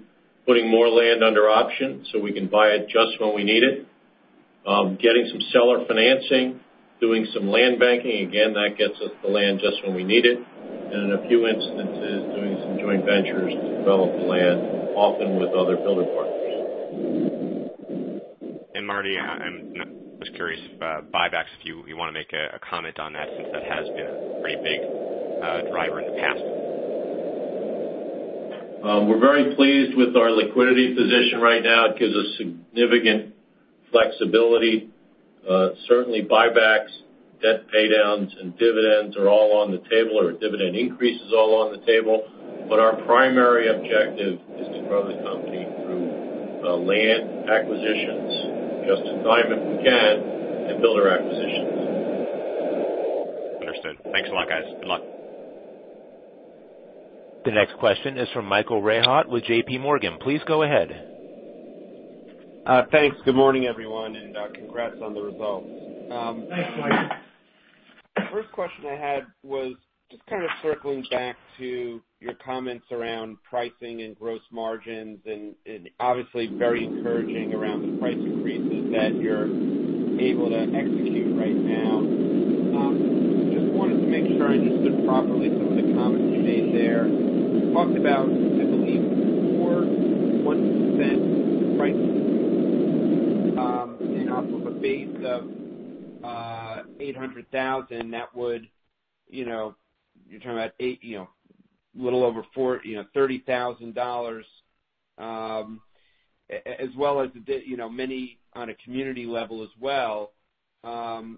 putting more land under option so we can buy it just when we need it, getting some seller financing, doing some land banking. Again, that gets us the land just when we need it. In a few instances, doing some joint ventures to develop the land, often with other builder partners.
Marty, I'm just curious, buybacks, if you want to make a comment on that, since that has been a pretty big driver in the past?
We're very pleased with our liquidity position right now. It gives us significant flexibility. Certainly buybacks, debt pay downs, and dividends are all on the table, or dividend increases all on the table. Our primary objective is to grow the company through land acquisitions, just-in-time if we can, and builder acquisitions.
Understood. Thanks a lot, guys. Good luck.
The next question is from Michael Rehaut with JPMorgan. Please go ahead.
Thanks. Good morning, everyone, and congrats on the results.
Thanks, Michael.
First question I had was just kind of circling back to your comments around pricing and gross margins, and obviously very encouraging around the price increases that you're able to execute right now. Just wanted to make sure I understood properly some of the comments you made there. You talked about, I believe, 4% price increase, and off of a base of $800,000. You're talking about little over $30,000, as well as many on a community level as well. At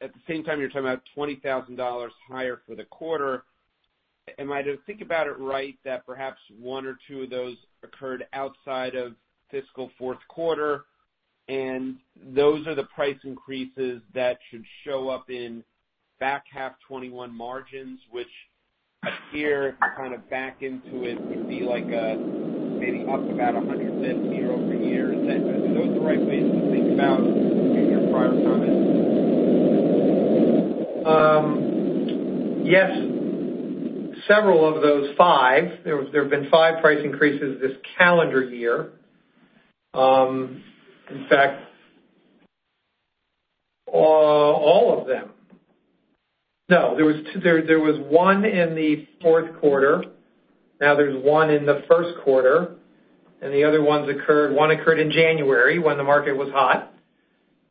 the same time, you're talking about $20,000 higher for the quarter. Am I to think about it right that perhaps one or two of those occurred outside of fiscal fourth quarter, and those are the price increases that should show up in back half 2021 margins, which appear, if you kind of back into it, would be maybe up about 100 basis points year-over-year? Are those the right ways to think about your prior comments?
Yes, several of those five. There have been five price increases this calendar year. In fact, all of them. No, there was one in the fourth quarter. Now there's one in the first quarter, and the other ones occurred, one occurred in January when the market was hot.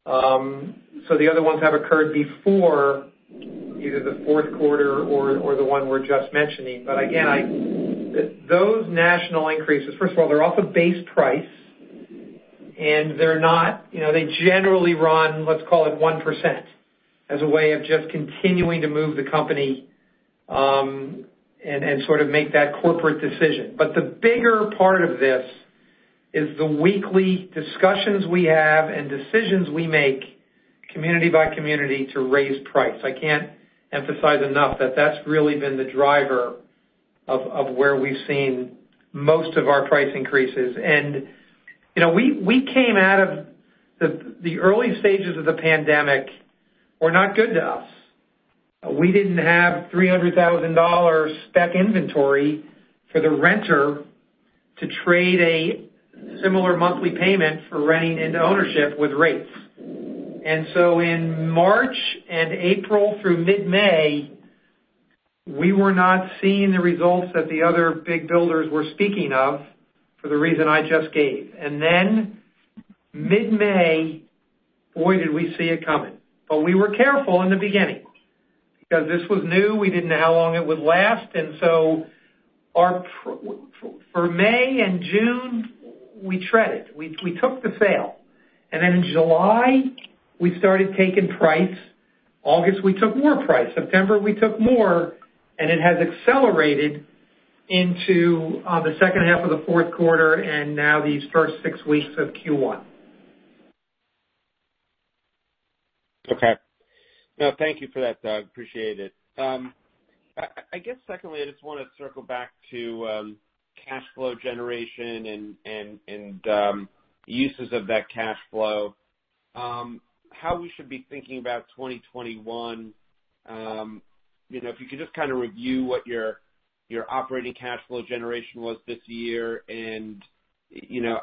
The other ones have occurred before either the fourth quarter or the one we're just mentioning. Again, those national increases, first of all, they're off a base price, and they generally run, let's call it 1%, as a way of just continuing to move the company, and sort of make that corporate decision. The bigger part of this is the weekly discussions we have and decisions we make community by community to raise price. I can't emphasize enough that that's really been the driver of where we've seen most of our price increases. We came out of the early stages of the pandemic were not good to us. We didn't have $300,000 spec inventory for the renter to trade a similar monthly payment for renting into ownership with rates. In March and April through mid-May, we were not seeing the results that the other big builders were speaking of for the reason I just gave. Then mid-May, boy, did we see it coming. We were careful in the beginning because this was new. We didn't know how long it would last. So for May and June, we treaded. We took the sale. Then in July, we started taking price. August, we took more price. September, we took more, and it has accelerated into the second half of the fourth quarter and now these first six weeks of Q1.
Okay. No, thank you for that, Doug. Appreciate it. I guess secondly, I just want to circle back to cash flow generation and uses of that cash flow. How we should be thinking about 2021? If you could just kind of review what your operating cash flow generation was this year and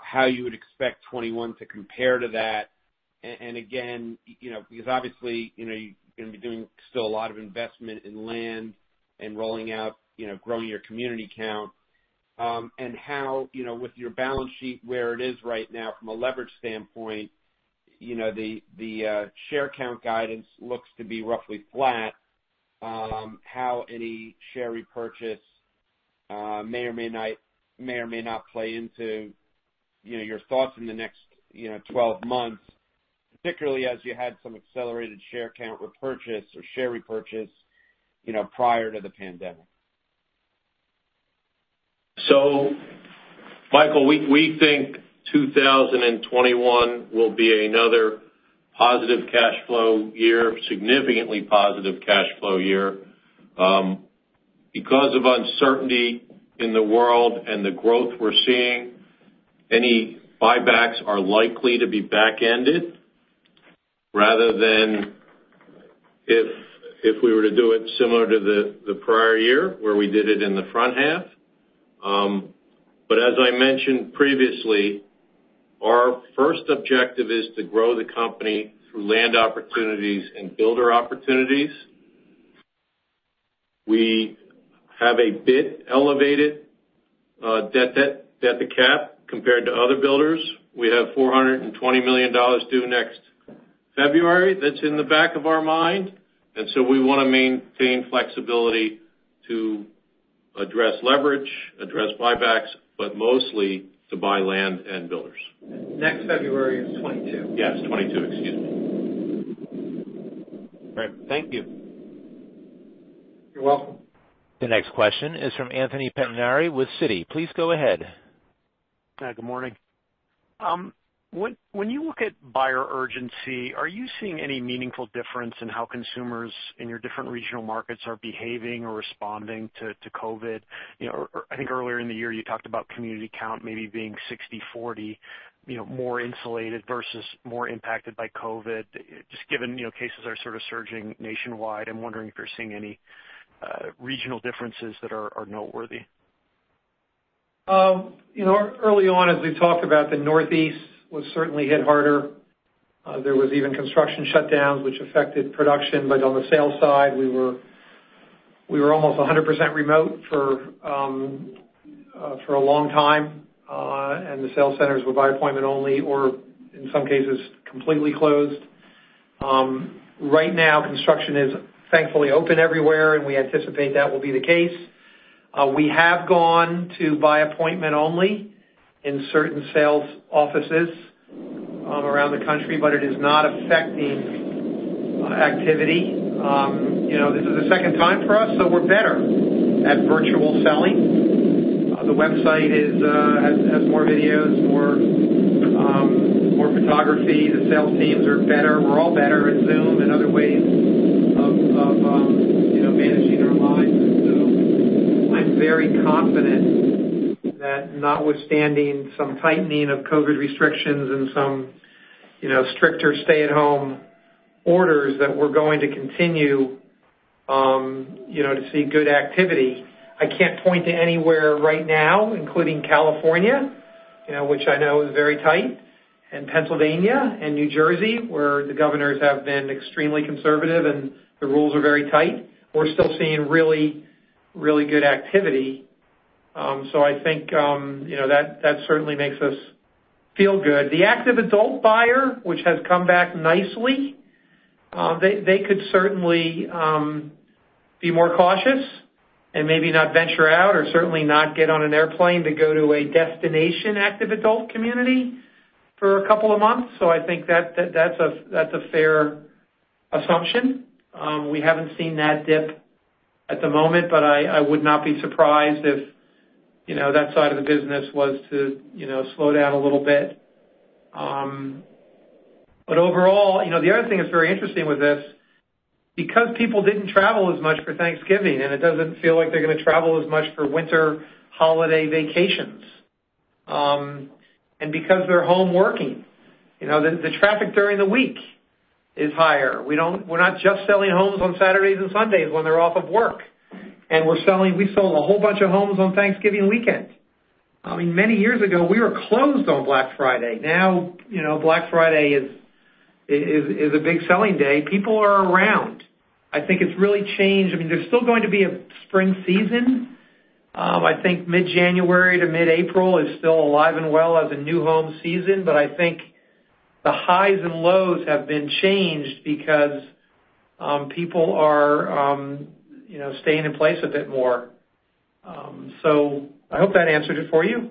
how you would expect 2021 to compare to that. Again, because obviously, you're going to be doing still a lot of investment in land and rolling out, growing your community count. How, with your balance sheet where it is right now from a leverage standpoint, the share count guidance looks to be roughly flat. How any share repurchase may or may not play into your thoughts in the next 12 months, particularly as you had some accelerated share repurchase prior to the pandemic?
Michael, we think 2021 will be another positive cash flow year, significantly positive cash flow year. Because of uncertainty in the world and the growth we're seeing, any buybacks are likely to be back-ended rather than if we were to do it similar to the prior year where we did it in the front half. As I mentioned previously, our first objective is to grow the company through land opportunities and builder opportunities. We have a bit elevated, debt to cap compared to other builders. We have $420 million due next February. That's in the back of our mind, we want to maintain flexibility to address leverage, address buybacks, but mostly to buy land and builders.
Next February is 2022.
Yes, 2022. Excuse me.
Great. Thank you.
You're welcome.
The next question is from Anthony Pettinari with Citi. Please go ahead.
Hi, good morning. When you look at buyer urgency, are you seeing any meaningful difference in how consumers in your different regional markets are behaving or responding to COVID? I think earlier in the year, you talked about community count maybe being 60/40, more insulated versus more impacted by COVID. Just given cases are sort of surging nationwide, I'm wondering if you're seeing any regional differences that are noteworthy.
Early on, as we talked about, the Northeast was certainly hit harder. There was even construction shutdowns, which affected production. On the sales side, we were almost 100% remote for a long time. The sales centers were by appointment only or in some cases, completely closed. Right now, construction is thankfully open everywhere, and we anticipate that will be the case. We have gone to by appointment only in certain sales offices around the country, but it is not affecting activity. This is the second time for us, so we're better at virtual selling. The website has more videos, more photography. The sales teams are better. We're all better at Zoom and other ways of managing our lives through Zoom. I'm very confident that notwithstanding some tightening of COVID restrictions and some stricter stay-at-home orders, that we're going to continue to see good activity. I can't point to anywhere right now, including California, which I know is very tight, and Pennsylvania and New Jersey, where the governors have been extremely conservative, and the rules are very tight. We're still seeing really good activity. I think that certainly makes us feel good. The active adult buyer, which has come back nicely, they could certainly be more cautious and maybe not venture out or certainly not get on an airplane to go to a destination active adult community for a couple of months. I think that's a fair assumption. We haven't seen that dip at the moment, but I would not be surprised if that side of the business was to slow down a little bit. Overall, the other thing that's very interesting with this, because people didn't travel as much for Thanksgiving, and it doesn't feel like they're going to travel as much for winter holiday vacations. Because they're home working, the traffic during the week is higher. We're not just selling homes on Saturdays and Sundays when they're off of work. We sold a whole bunch of homes on Thanksgiving weekend. Many years ago, we were closed on Black Friday. Now, Black Friday is a big selling day. People are around. I think it's really changed. There's still going to be a spring season. I think mid-January to mid-April is still alive and well as a new home season. I think the highs and lows have been changed because people are staying in place a bit more. I hope that answered it for you.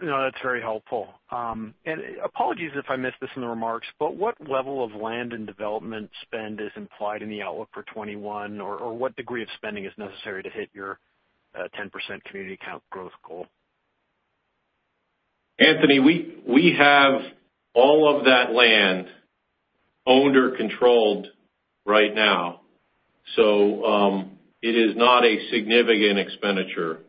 No, that's very helpful. Apologies if I missed this in the remarks, but what level of land and development spend is implied in the outlook for 2021? What degree of spending is necessary to hit your 10% community count growth goal?
Anthony, we have all of that land owned or controlled right now. It is not a significant expenditure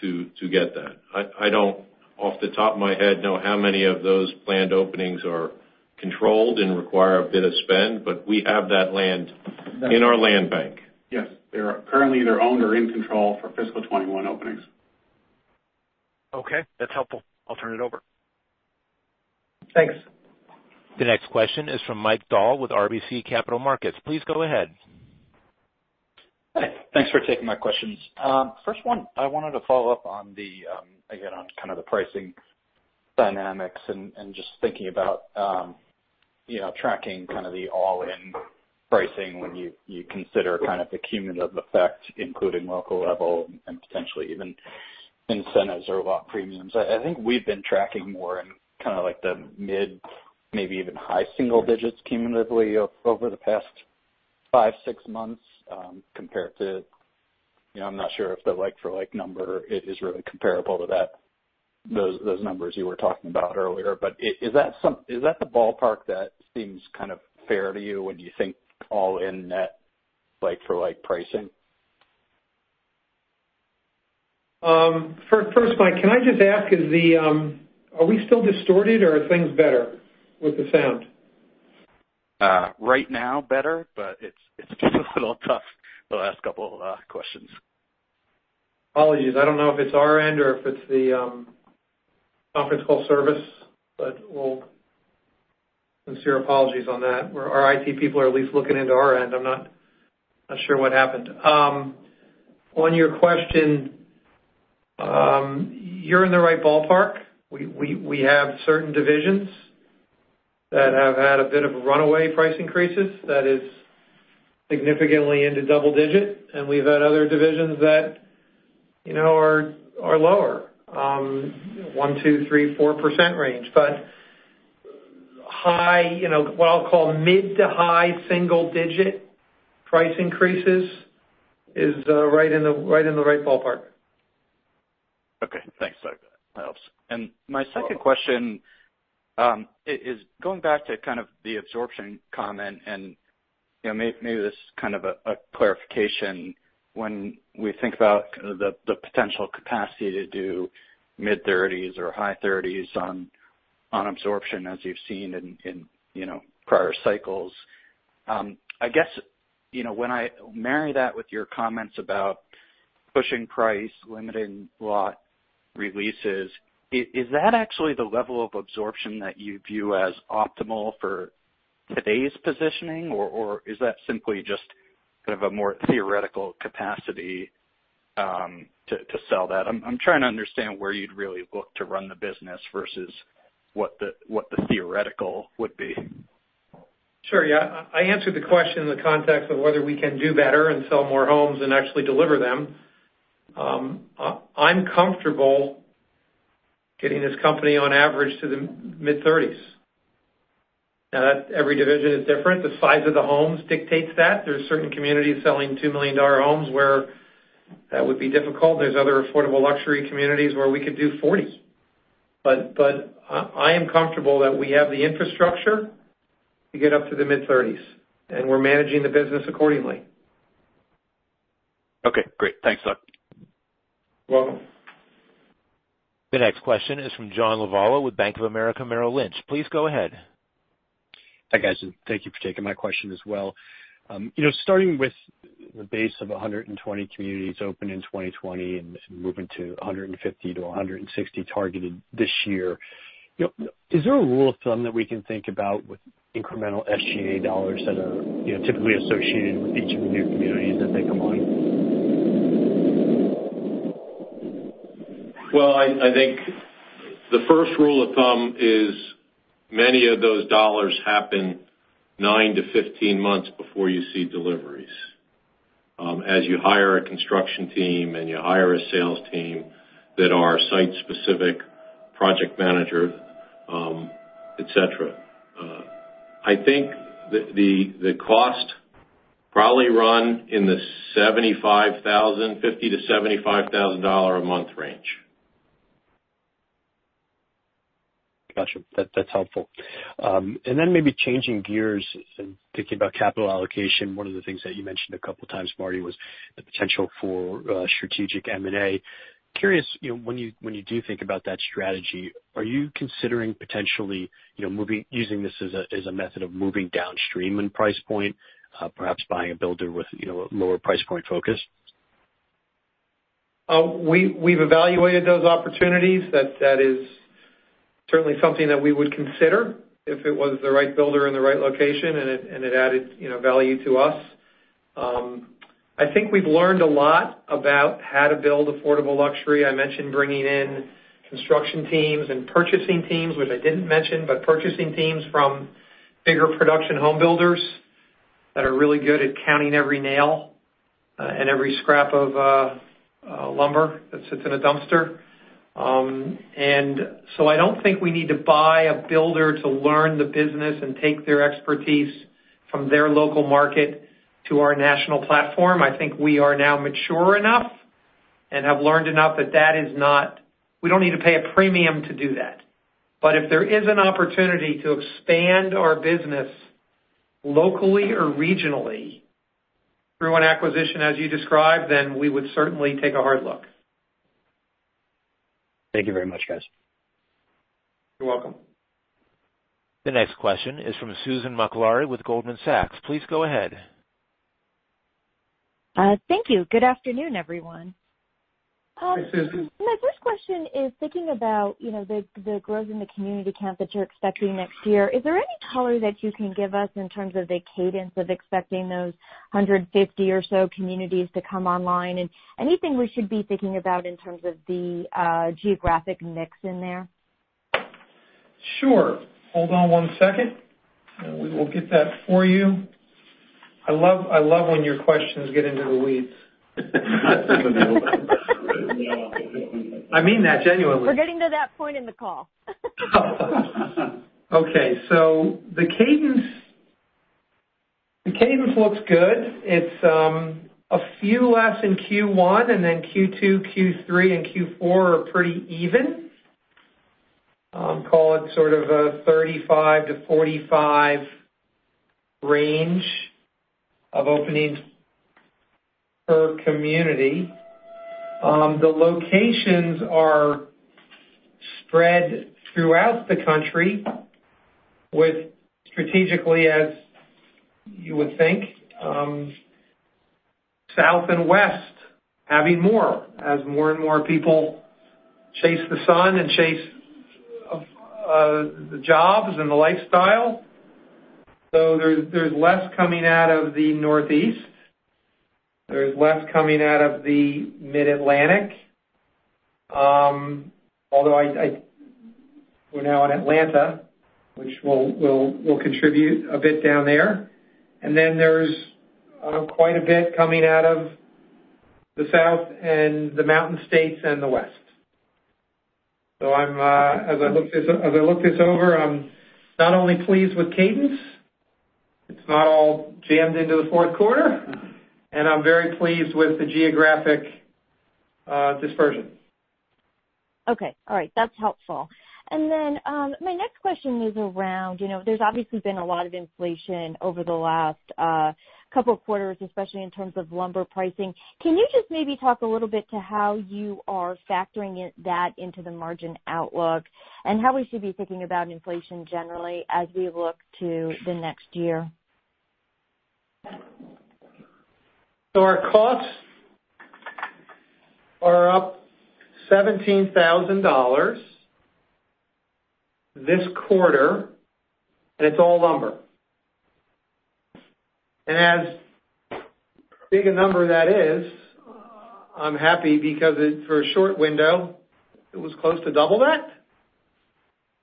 to get that. I don't, off the top of my head, know how many of those planned openings are controlled and require a bit of spend, but we have that land in our land bank.
Yes. They are currently either owned or in control for fiscal 2021 openings.
Okay. That's helpful. I'll turn it over.
Thanks.
The next question is from Mike Dahl with RBC Capital Markets. Please go ahead.
Hi. Thanks for taking my questions. First one, I wanted to follow up on the, again, on kind of the pricing dynamics and just thinking about, tracking kind of the all-in pricing when you consider kind of the cumulative effect, including local level and potentially even incentives or lot premiums. I think we've been tracking more in kind of like the mid, maybe even high single digits cumulatively over the past five, six months, compared to I'm not sure if the like-for-like number is really comparable to those numbers you were talking about earlier. Is that the ballpark that seems kind of fair to you when you think all-in net like-for-like pricing?
First, Mike, can I just ask, are we still distorted or are things better with the sound?
Right now better, but it's been a little tough the last couple questions.
Apologies. I don't know if it's our end or if it's the conference call service. Sincere apologies on that. Our IT people are at least looking into our end. I'm not sure what happened. On your question, you're in the right ballpark. We have certain divisions that have had a bit of runaway price increases that is significantly into double-digit. We've had other divisions that are lower. 1%, 2%, 3%, 4% range. What I'll call mid-to-high single-digit price increases is right in the right ballpark.
Okay, thanks. That helps. My second question is going back to kind of the absorption comment and maybe this is kind of a clarification. When we think about kind of the potential capacity to do mid-30s or high 30s on absorption as you've seen in prior cycles, I guess, when I marry that with your comments about pushing price, limiting lot releases, is that actually the level of absorption that you view as optimal for today's positioning, or is that simply just kind of a more theoretical capacity to sell that? I'm trying to understand where you'd really look to run the business versus what the theoretical would be.
Sure. Yeah. I answered the question in the context of whether we can do better and sell more homes and actually deliver them. I'm comfortable getting this company on average to the mid-30s. Now, every division is different. The size of the homes dictates that. There's certain communities selling $2 million homes where that would be difficult. There's other affordable luxury communities where we could do 40. I am comfortable that we have the infrastructure to get up to the mid-30s, and we're managing the business accordingly.
Okay, great. Thanks a lot.
You're welcome.
The next question is from John Lovallo with Bank of America Merrill Lynch. Please go ahead.
Hi, guys. Thank you for taking my question as well. Starting with the base of 120 communities open in 2020 and moving to 150-160 targeted this year. Is there a rule of thumb that we can think about with incremental SG&A dollars that are typically associated with each of the new communities as they come online?
Well, I think the first rule of thumb is many of those dollars happen nine to 15 months before you see deliveries. As you hire a construction team and you hire a sales team that are site-specific, project manager, et cetera. I think the cost probably run in the $50,000-$75,000 a month range.
Got you. That's helpful. Then maybe changing gears and thinking about capital allocation. One of the things that you mentioned a couple of times, Marty, was the potential for strategic M&A. Curious, when you do think about that strategy, are you considering potentially, using this as a method of moving downstream in price point, perhaps buying a builder with a lower price point focus?
We've evaluated those opportunities. That is certainly something that we would consider if it was the right builder in the right location and it added value to us. I think we've learned a lot about how to build affordable luxury. I mentioned bringing in construction teams and purchasing teams, which I didn't mention, but purchasing teams from bigger production home builders that are really good at counting every nail and every scrap of lumber that sits in a dumpster. I don't think we need to buy a builder to learn the business and take their expertise from their local market to our national platform. I think we are now mature enough and have learned enough that we don't need to pay a premium to do that. If there is an opportunity to expand our business locally or regionally through an acquisition as you described, then we would certainly take a hard look.
Thank you very much, guys.
You're welcome.
The next question is from Susan Maklari with Goldman Sachs. Please go ahead.
Thank you. Good afternoon, everyone.
Hi, Susan.
My first question is thinking about the growth in the community count that you're expecting next year. Is there any color that you can give us in terms of the cadence of expecting those 150 or so communities to come online? Anything we should be thinking about in terms of the geographic mix in there?
Sure. Hold on one second. We will get that for you. I love when your questions get into the weeds. I mean that genuinely.
We're getting to that point in the call.
Okay. The cadence looks good. It's a few less in Q1, and then Q2, Q3, and Q4 are pretty even. Call it sort of a 35-45 range of openings per community. The locations are spread throughout the country with strategically, as you would think, south and west having more as more and more people chase the sun and chase the jobs and the lifestyle. There's less coming out of the Northeast. There's less coming out of the Mid-Atlantic. Although, we're now in Atlanta, which will contribute a bit down there. There's quite a bit coming out of the South and the mountain states and the West. As I look this over, I'm not only pleased with cadence, it's not all jammed into the fourth quarter, and I'm very pleased with the geographic dispersion.
Okay. All right. That's helpful. My next question is around, there's obviously been a lot of inflation over the last couple of quarters, especially in terms of lumber pricing. Can you just maybe talk a little bit to how you are factoring that into the margin outlook and how we should be thinking about inflation generally as we look to the next year?
Our costs are up $17,000 this quarter, and it's all lumber. As big a number that is, I'm happy because for a short window, it was close to double that.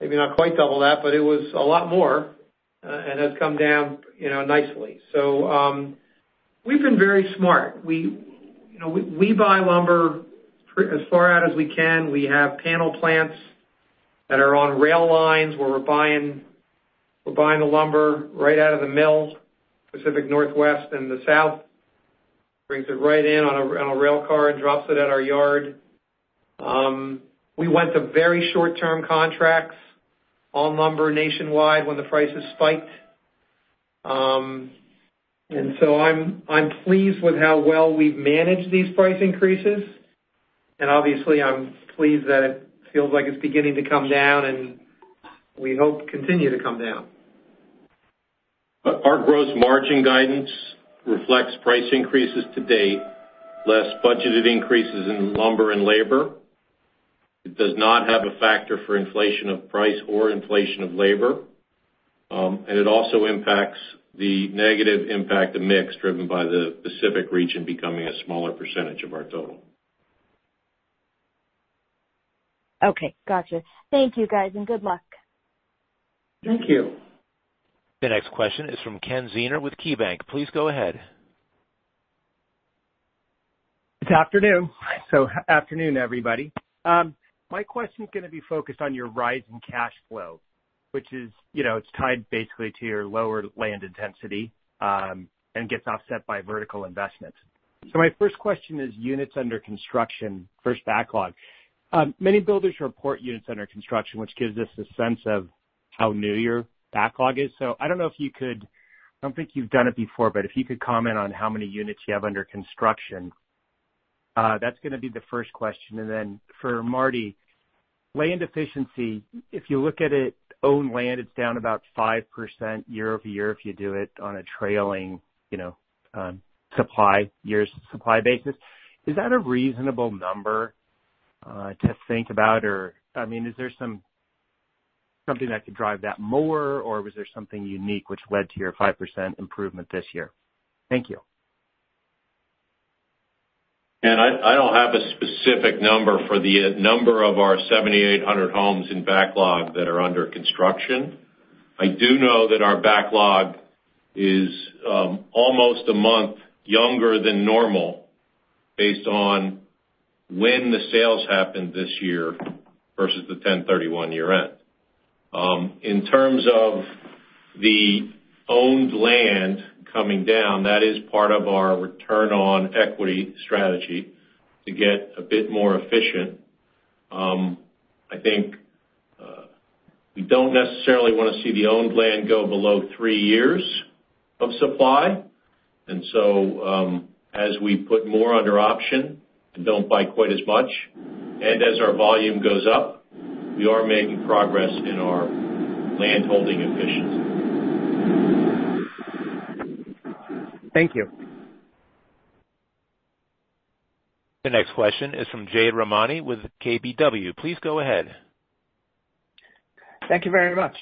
Maybe not quite double that, but it was a lot more, and has come down nicely. We've been very smart. We buy lumber as far out as we can. We have panel plants that are on rail lines where we're buying the lumber right out of the mill, Pacific Northwest and the South. Brings it right in on a rail car and drops it at our yard. We went to very short-term contracts on lumber nationwide when the prices spiked. I'm pleased with how well we've managed these price increases, and obviously, I'm pleased that it feels like it's beginning to come down, and we hope continue to come down.
Our gross margin guidance reflects price increases to date, less budgeted increases in lumber and labor. It does not have a factor for inflation of price or inflation of labor. It also impacts the negative impact of mix driven by the Pacific region becoming a smaller % of our total.
Okay, gotcha. Thank you guys. Good luck.
Thank you.
The next question is from Ken Zener with KeyBank. Please go ahead.
Good afternoon. Afternoon, everybody. My question's going to be focused on your rise in cash flow, which is tied basically to your lower land intensity, and gets offset by vertical investment. My first question is units under construction versus backlog. Many builders report units under construction, which gives us a sense of how new your backlog is. I don't know if you could I don't think you've done it before, but if you could comment on how many units you have under construction. That's going to be the first question. Then for Marty, land efficiency, if you look at it, owned land, it's down about 5% year-over-year if you do it on a trailing years supply basis. Is that a reasonable number to think about? Is there something that could drive that more, or was there something unique which led to your 5% improvement this year? Thank you.
Ken, I don't have a specific number for the number of our 7,800 homes in backlog that are under construction. I do know that our backlog is almost a month younger than normal based on when the sales happened this year versus the 10/31 year end. In terms of the owned land coming down, that is part of our return on equity strategy to get a bit more efficient. I think, we don't necessarily want to see the owned land go below three years of supply. As we put more under option and don't buy quite as much, and as our volume goes up. We are making progress in our land holding in Phoenix.
Thank you.
The next question is from Jade Rahmani with KBW. Please go ahead.
Thank you very much.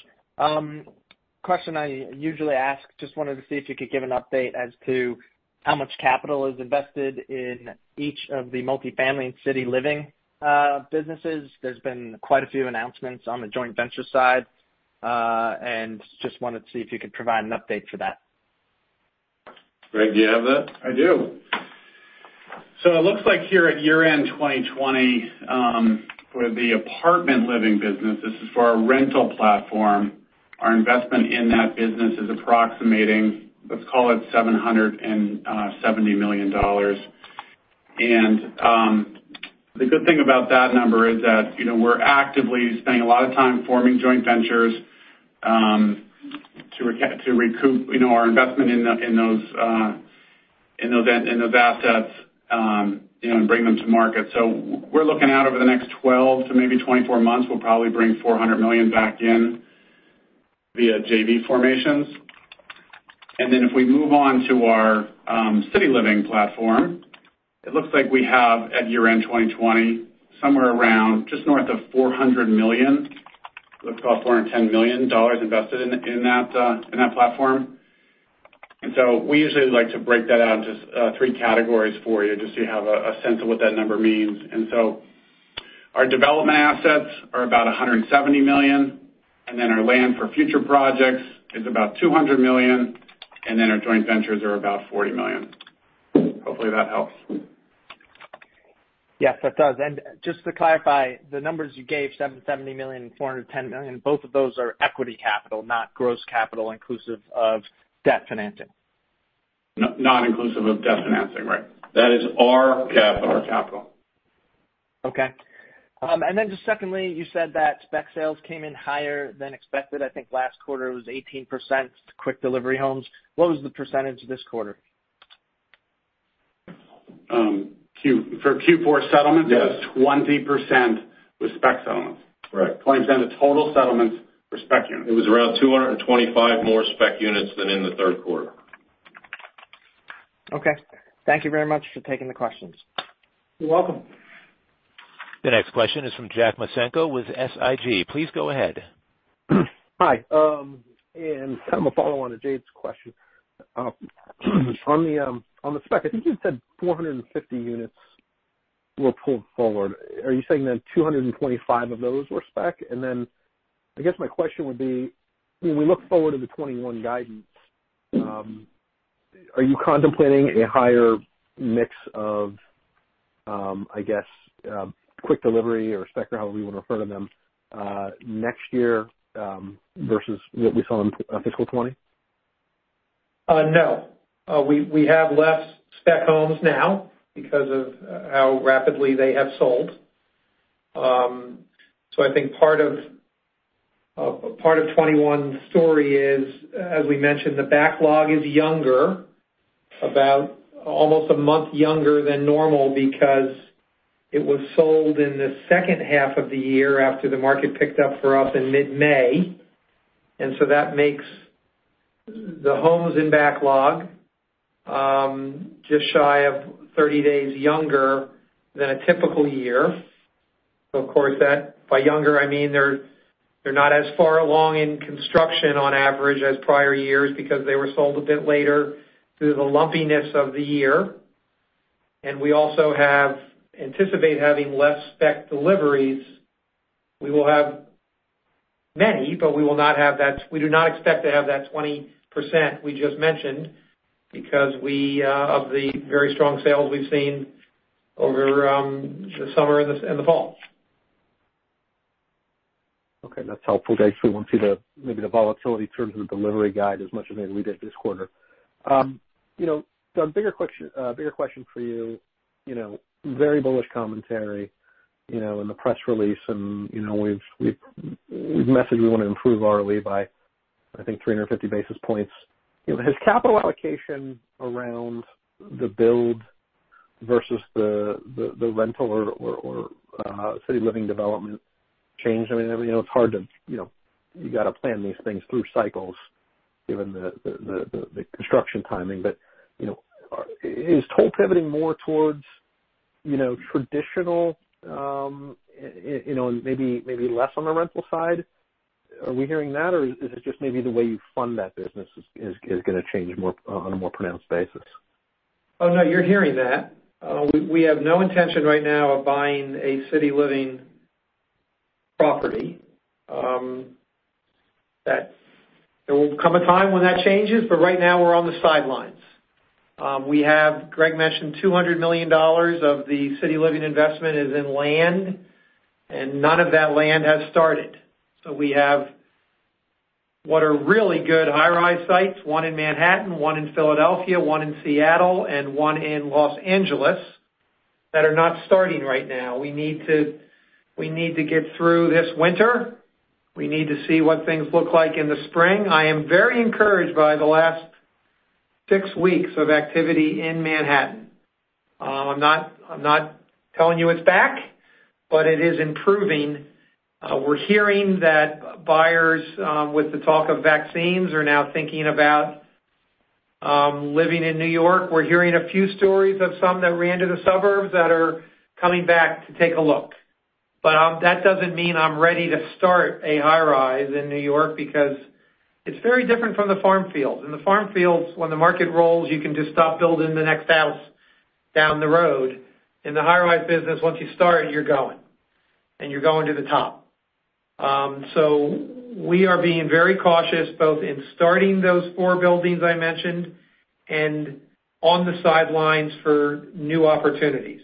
Question I usually ask, just wanted to see if you could give an update as to how much capital is invested in each of the multifamily and City Living businesses. There's been quite a few announcements on the joint venture side, just wanted to see if you could provide an update for that.
Gregg, do you have that?
I do. It looks like here at year-end 2020, for the Apartment Living business, this is for our rental platform, our investment in that business is approximating, let's call it $770 million. The good thing about that number is that we're actively spending a lot of time forming joint ventures to recoup our investment in those assets and bring them to market. We're looking out over the next 12 to maybe 24 months. We'll probably bring $400 million back in via JV formations. If we move on to our City Living platform, it looks like we have, at year-end 2020, somewhere around just north of $400 million. Let's call it $410 million invested in that platform. We usually like to break that out into three categories for you, just so you have a sense of what that number means. Our development assets are about $170 million, our land for future projects is about $200 million, our joint ventures are about $40 million. Hopefully that helps.
Yes, that does. Just to clarify, the numbers you gave, $770 million and $410 million, both of those are equity capital, not gross capital inclusive of debt financing.
Non-inclusive of debt financing. Right. That is our capital.
Our capital.
Okay. Just secondly, you said that spec sales came in higher than expected. I think last quarter was 18% quick delivery homes. What was the percentage this quarter?
for Q4 settlements.
Yes
it was 20% with spec settlements.
Right.
20% of total settlements for spec units.
It was around 225 more spec units than in the third quarter.
Okay. Thank you very much for taking the questions.
You're welcome.
The next question is from Jack Micenko with SIG. Please go ahead.
Hi, kind of a follow-on to Jade's question. On the spec, I think you said 450 units were pulled forward. Are you saying that 225 of those were spec? Then I guess my question would be, when we look forward to the 2021 guidance. Are you contemplating a higher mix of, I guess, quick delivery or spec, or however you want to refer to them, next year, versus what we saw in fiscal 2020?
No. We have less spec homes now because of how rapidly they have sold. I think part of 2021's story is, as we mentioned, the backlog is younger, about almost a month younger than normal because it was sold in the second half of the year after the market picked up for us in mid-May. That makes the homes in backlog, just shy of 30 days younger than a typical year. Of course that, by younger, I mean they're not as far along in construction on average as prior years because they were sold a bit later due to the lumpiness of the year. We also anticipate having less spec deliveries. We will have many, we do not expect to have that 20% we just mentioned because of the very strong sales we've seen over the summer and the fall.
Okay, that's helpful. I actually won't see the, maybe the volatility terms of the delivery guide as much as maybe we did this quarter. Doug, bigger question for you. Very bullish commentary, in the press release, we've messaged we want to improve ROE by, I think, 350 basis points. Has capital allocation around the build versus the rental or city living development changed? I mean, You've got to plan these things through cycles given the construction timing. Is Toll pivoting more towards traditional and maybe less on the rental side? Are we hearing that, or is it just maybe the way you fund that business is going to change on a more pronounced basis?
Oh, no, you're hearing that. We have no intention right now of buying a City Living property. There will come a time when that changes, but right now we're on the sidelines. We have, Gregg mentioned, $200 million of the City Living investment is in land, and none of that land has started. We have what are really good high-rise sites, one in Manhattan, one in Philadelphia, one in Seattle, and one in Los Angeles, that are not starting right now. We need to get through this winter. We need to see what things look like in the spring. I am very encouraged by the last Six weeks of activity in Manhattan. I'm not telling you it's back, it is improving. We're hearing that buyers, with the talk of vaccines, are now thinking about living in New York. We're hearing a few stories of some that ran to the suburbs that are coming back to take a look. That doesn't mean I'm ready to start a high rise in New York, because it's very different from the farm fields. In the farm fields, when the market rolls, you can just stop building the next house down the road. In the high-rise business, once you start, you're going, you're going to the top. We are being very cautious both in starting those four buildings I mentioned and on the sidelines for new opportunities.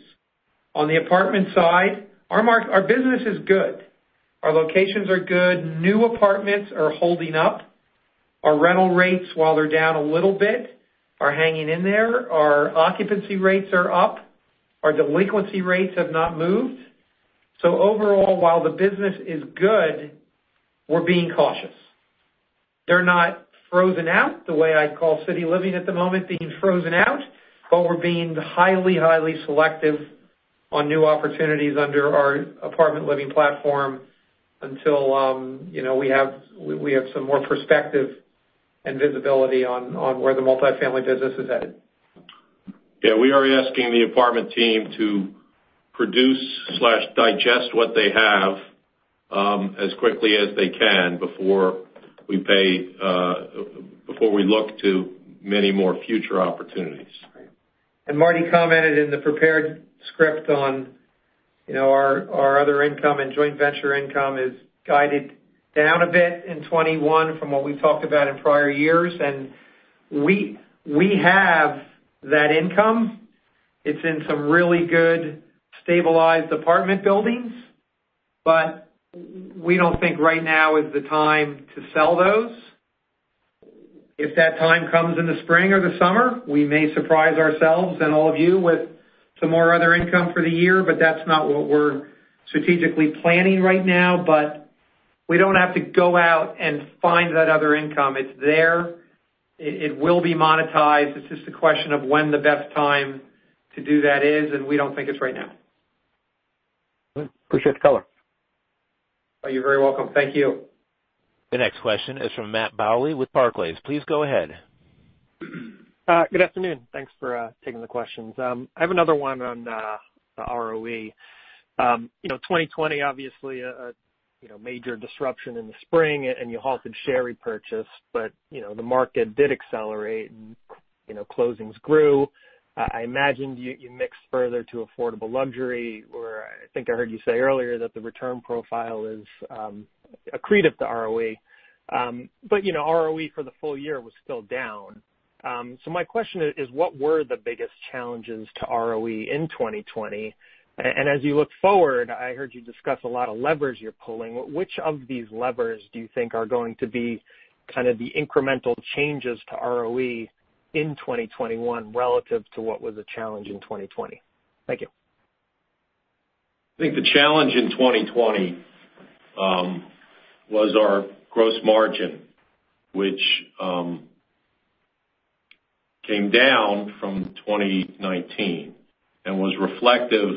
On the apartment side, our business is good. Our locations are good. New apartments are holding up. Our rental rates, while they're down a little bit, are hanging in there. Our occupancy rates are up. Our delinquency rates have not moved. Overall, while the business is good, we're being cautious. They're not frozen out the way I'd call City Living at the moment, being frozen out, but we're being highly selective on new opportunities under our Apartment Living platform until we have some more perspective and visibility on where the multi-family business is headed.
Yeah, we are asking the apartment team to produce/digest what they have, as quickly as they can before we look to many more future opportunities.
Right. Marty commented in the prepared script on our other income, joint venture income is guided down a bit in 2021 from what we talked about in prior years. We have that income. It's in some really good stabilized apartment buildings. We don't think right now is the time to sell those. If that time comes in the spring or the summer, we may surprise ourselves and all of you with some more other income for the year, but that's not what we're strategically planning right now. We don't have to go out and find that other income. It's there. It will be monetized. It's just a question of when the best time to do that is, and we don't think it's right now.
Appreciate the color.
Oh, you're very welcome. Thank you.
The next question is from Matthew Bouley with Barclays. Please go ahead.
Good afternoon. Thanks for taking the questions. I have another one on the ROE. 2020 obviously a major disruption in the spring, you halted share repurchase. The market did accelerate and closings grew. I imagine you mixed further to affordable luxury, where I think I heard you say earlier that the return profile is accretive to ROE. ROE for the full year was still down. My question is, what were the biggest challenges to ROE in 2020? As you look forward, I heard you discuss a lot of levers you're pulling. Which of these levers do you think are going to be kind of the incremental changes to ROE in 2021 relative to what was a challenge in 2020? Thank you.
I think the challenge in 2020 was our gross margin, which came down from 2019 and was reflective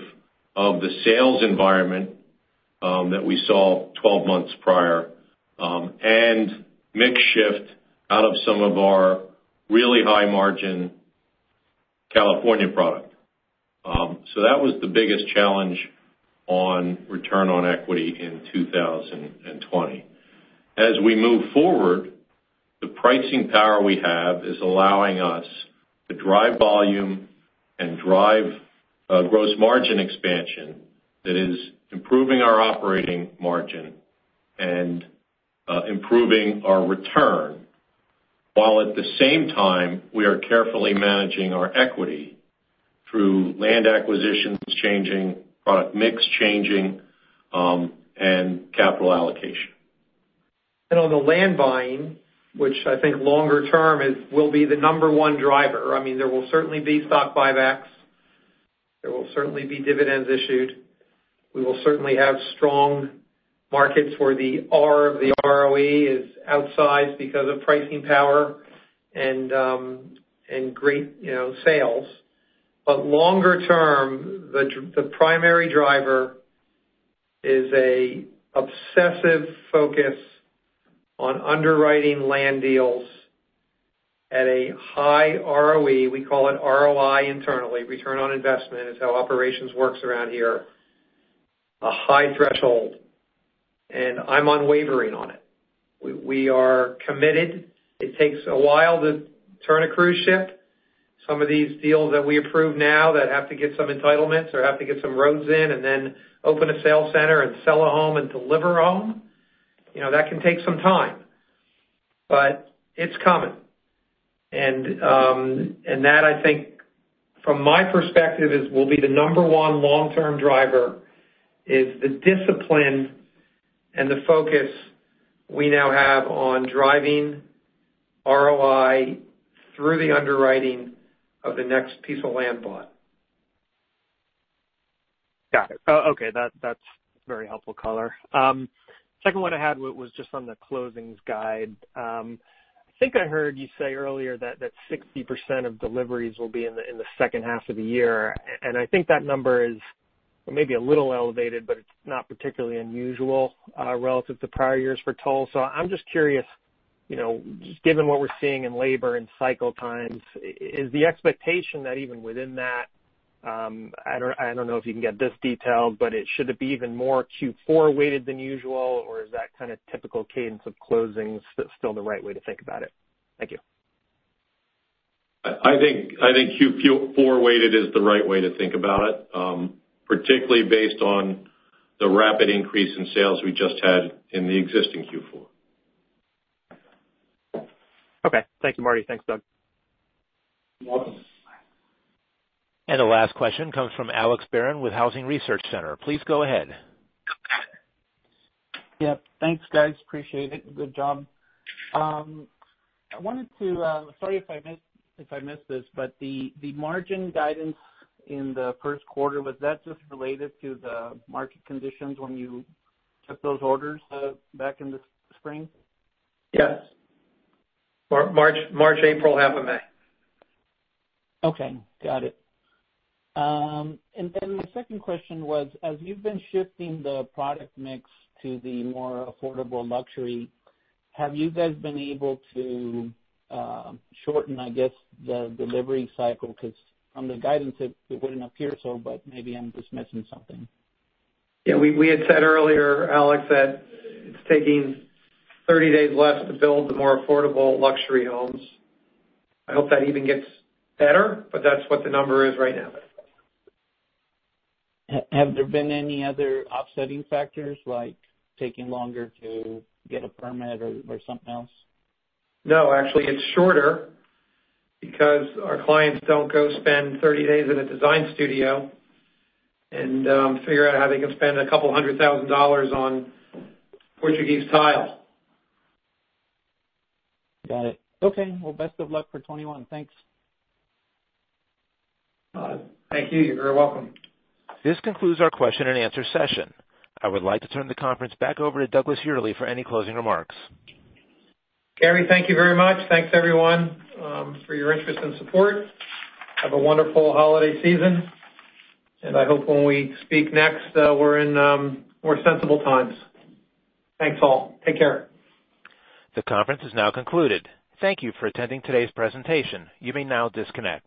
of the sales environment that we saw 12 months prior, and mix shift out of some of our really high-margin California product. That was the biggest challenge on return on equity in 2020. As we move forward, the pricing power we have is allowing us to drive volume and drive gross margin expansion that is improving our operating margin and improving our return, while at the same time, we are carefully managing our equity through land acquisitions changing, product mix changing, and capital allocation.
On the land buying, which I think longer term will be the number one driver. There will certainly be stock buybacks. There will certainly be dividends issued. We will certainly have strong markets where the R of the ROE is outsized because of pricing power and great sales. Longer term, the primary driver is a obsessive focus on underwriting land deals at a high ROE. We call it ROI internally, return on investment, is how operations works around here. A high threshold. I'm unwavering on it. We are committed. It takes a while to turn a cruise ship. Some of these deals that we approve now that have to get some entitlements or have to get some roads in and then open a sales center and sell a home and deliver a home, that can take some time. It's coming. That I think from my perspective will be the number one long-term driver, is the discipline and the focus we now have on driving ROI through the underwriting of the next piece of land bought.
Okay. That's very helpful color. Second one I had was just on the closings guide. I think I heard you say earlier that 60% of deliveries will be in the second half of the year, and I think that number is maybe a little elevated, but it's not particularly unusual relative to prior years for Toll. I'm just curious, given what we're seeing in labor and cycle times, is the expectation that even within that, I don't know if you can get this detailed, but should it be even more Q4-weighted than usual, or is that kind of typical cadence of closings still the right way to think about it? Thank you.
I think Q4-weighted is the right way to think about it. Particularly based on the rapid increase in sales we just had in the existing Q4.
Okay. Thank you, Marty. Thanks, Doug.
You're welcome.
The last question comes from Alex Barron with Housing Research Center. Please go ahead.
Yeah. Thanks, guys. Appreciate it. Good job. Sorry if I missed this, the margin guidance in the first quarter, was that just related to the market conditions when you took those orders back in the spring?
Yes. March, April, half of May.
Okay, got it. The second question was, as you've been shifting the product mix to the more affordable luxury, have you guys been able to shorten, I guess, the delivery cycle? From the guidance, it wouldn't appear so, but maybe I'm just missing something.
Yeah, we had said earlier, Alex, that it's taking 30 days less to build the more affordable luxury homes. I hope that even gets better, but that's what the number is right now.
Have there been any other offsetting factors, like taking longer to get a permit or something else?
No, actually, it's shorter because our clients don't go spend 30 days in a design studio and figure out how they can spend a couple hundred thousand dollars on Portuguese tiles.
Got it. Okay. Well, best of luck for 2021. Thanks.
Thank you. You're very welcome.
This concludes our question and answer session. I would like to turn the conference back over to Douglas Yearley for any closing remarks.
Gary, thank you very much. Thanks, everyone, for your interest and support. Have a wonderful holiday season. I hope when we speak next, we're in more sensible times. Thanks all. Take care.
The conference is now concluded. Thank you for attending today's presentation. You may now disconnect.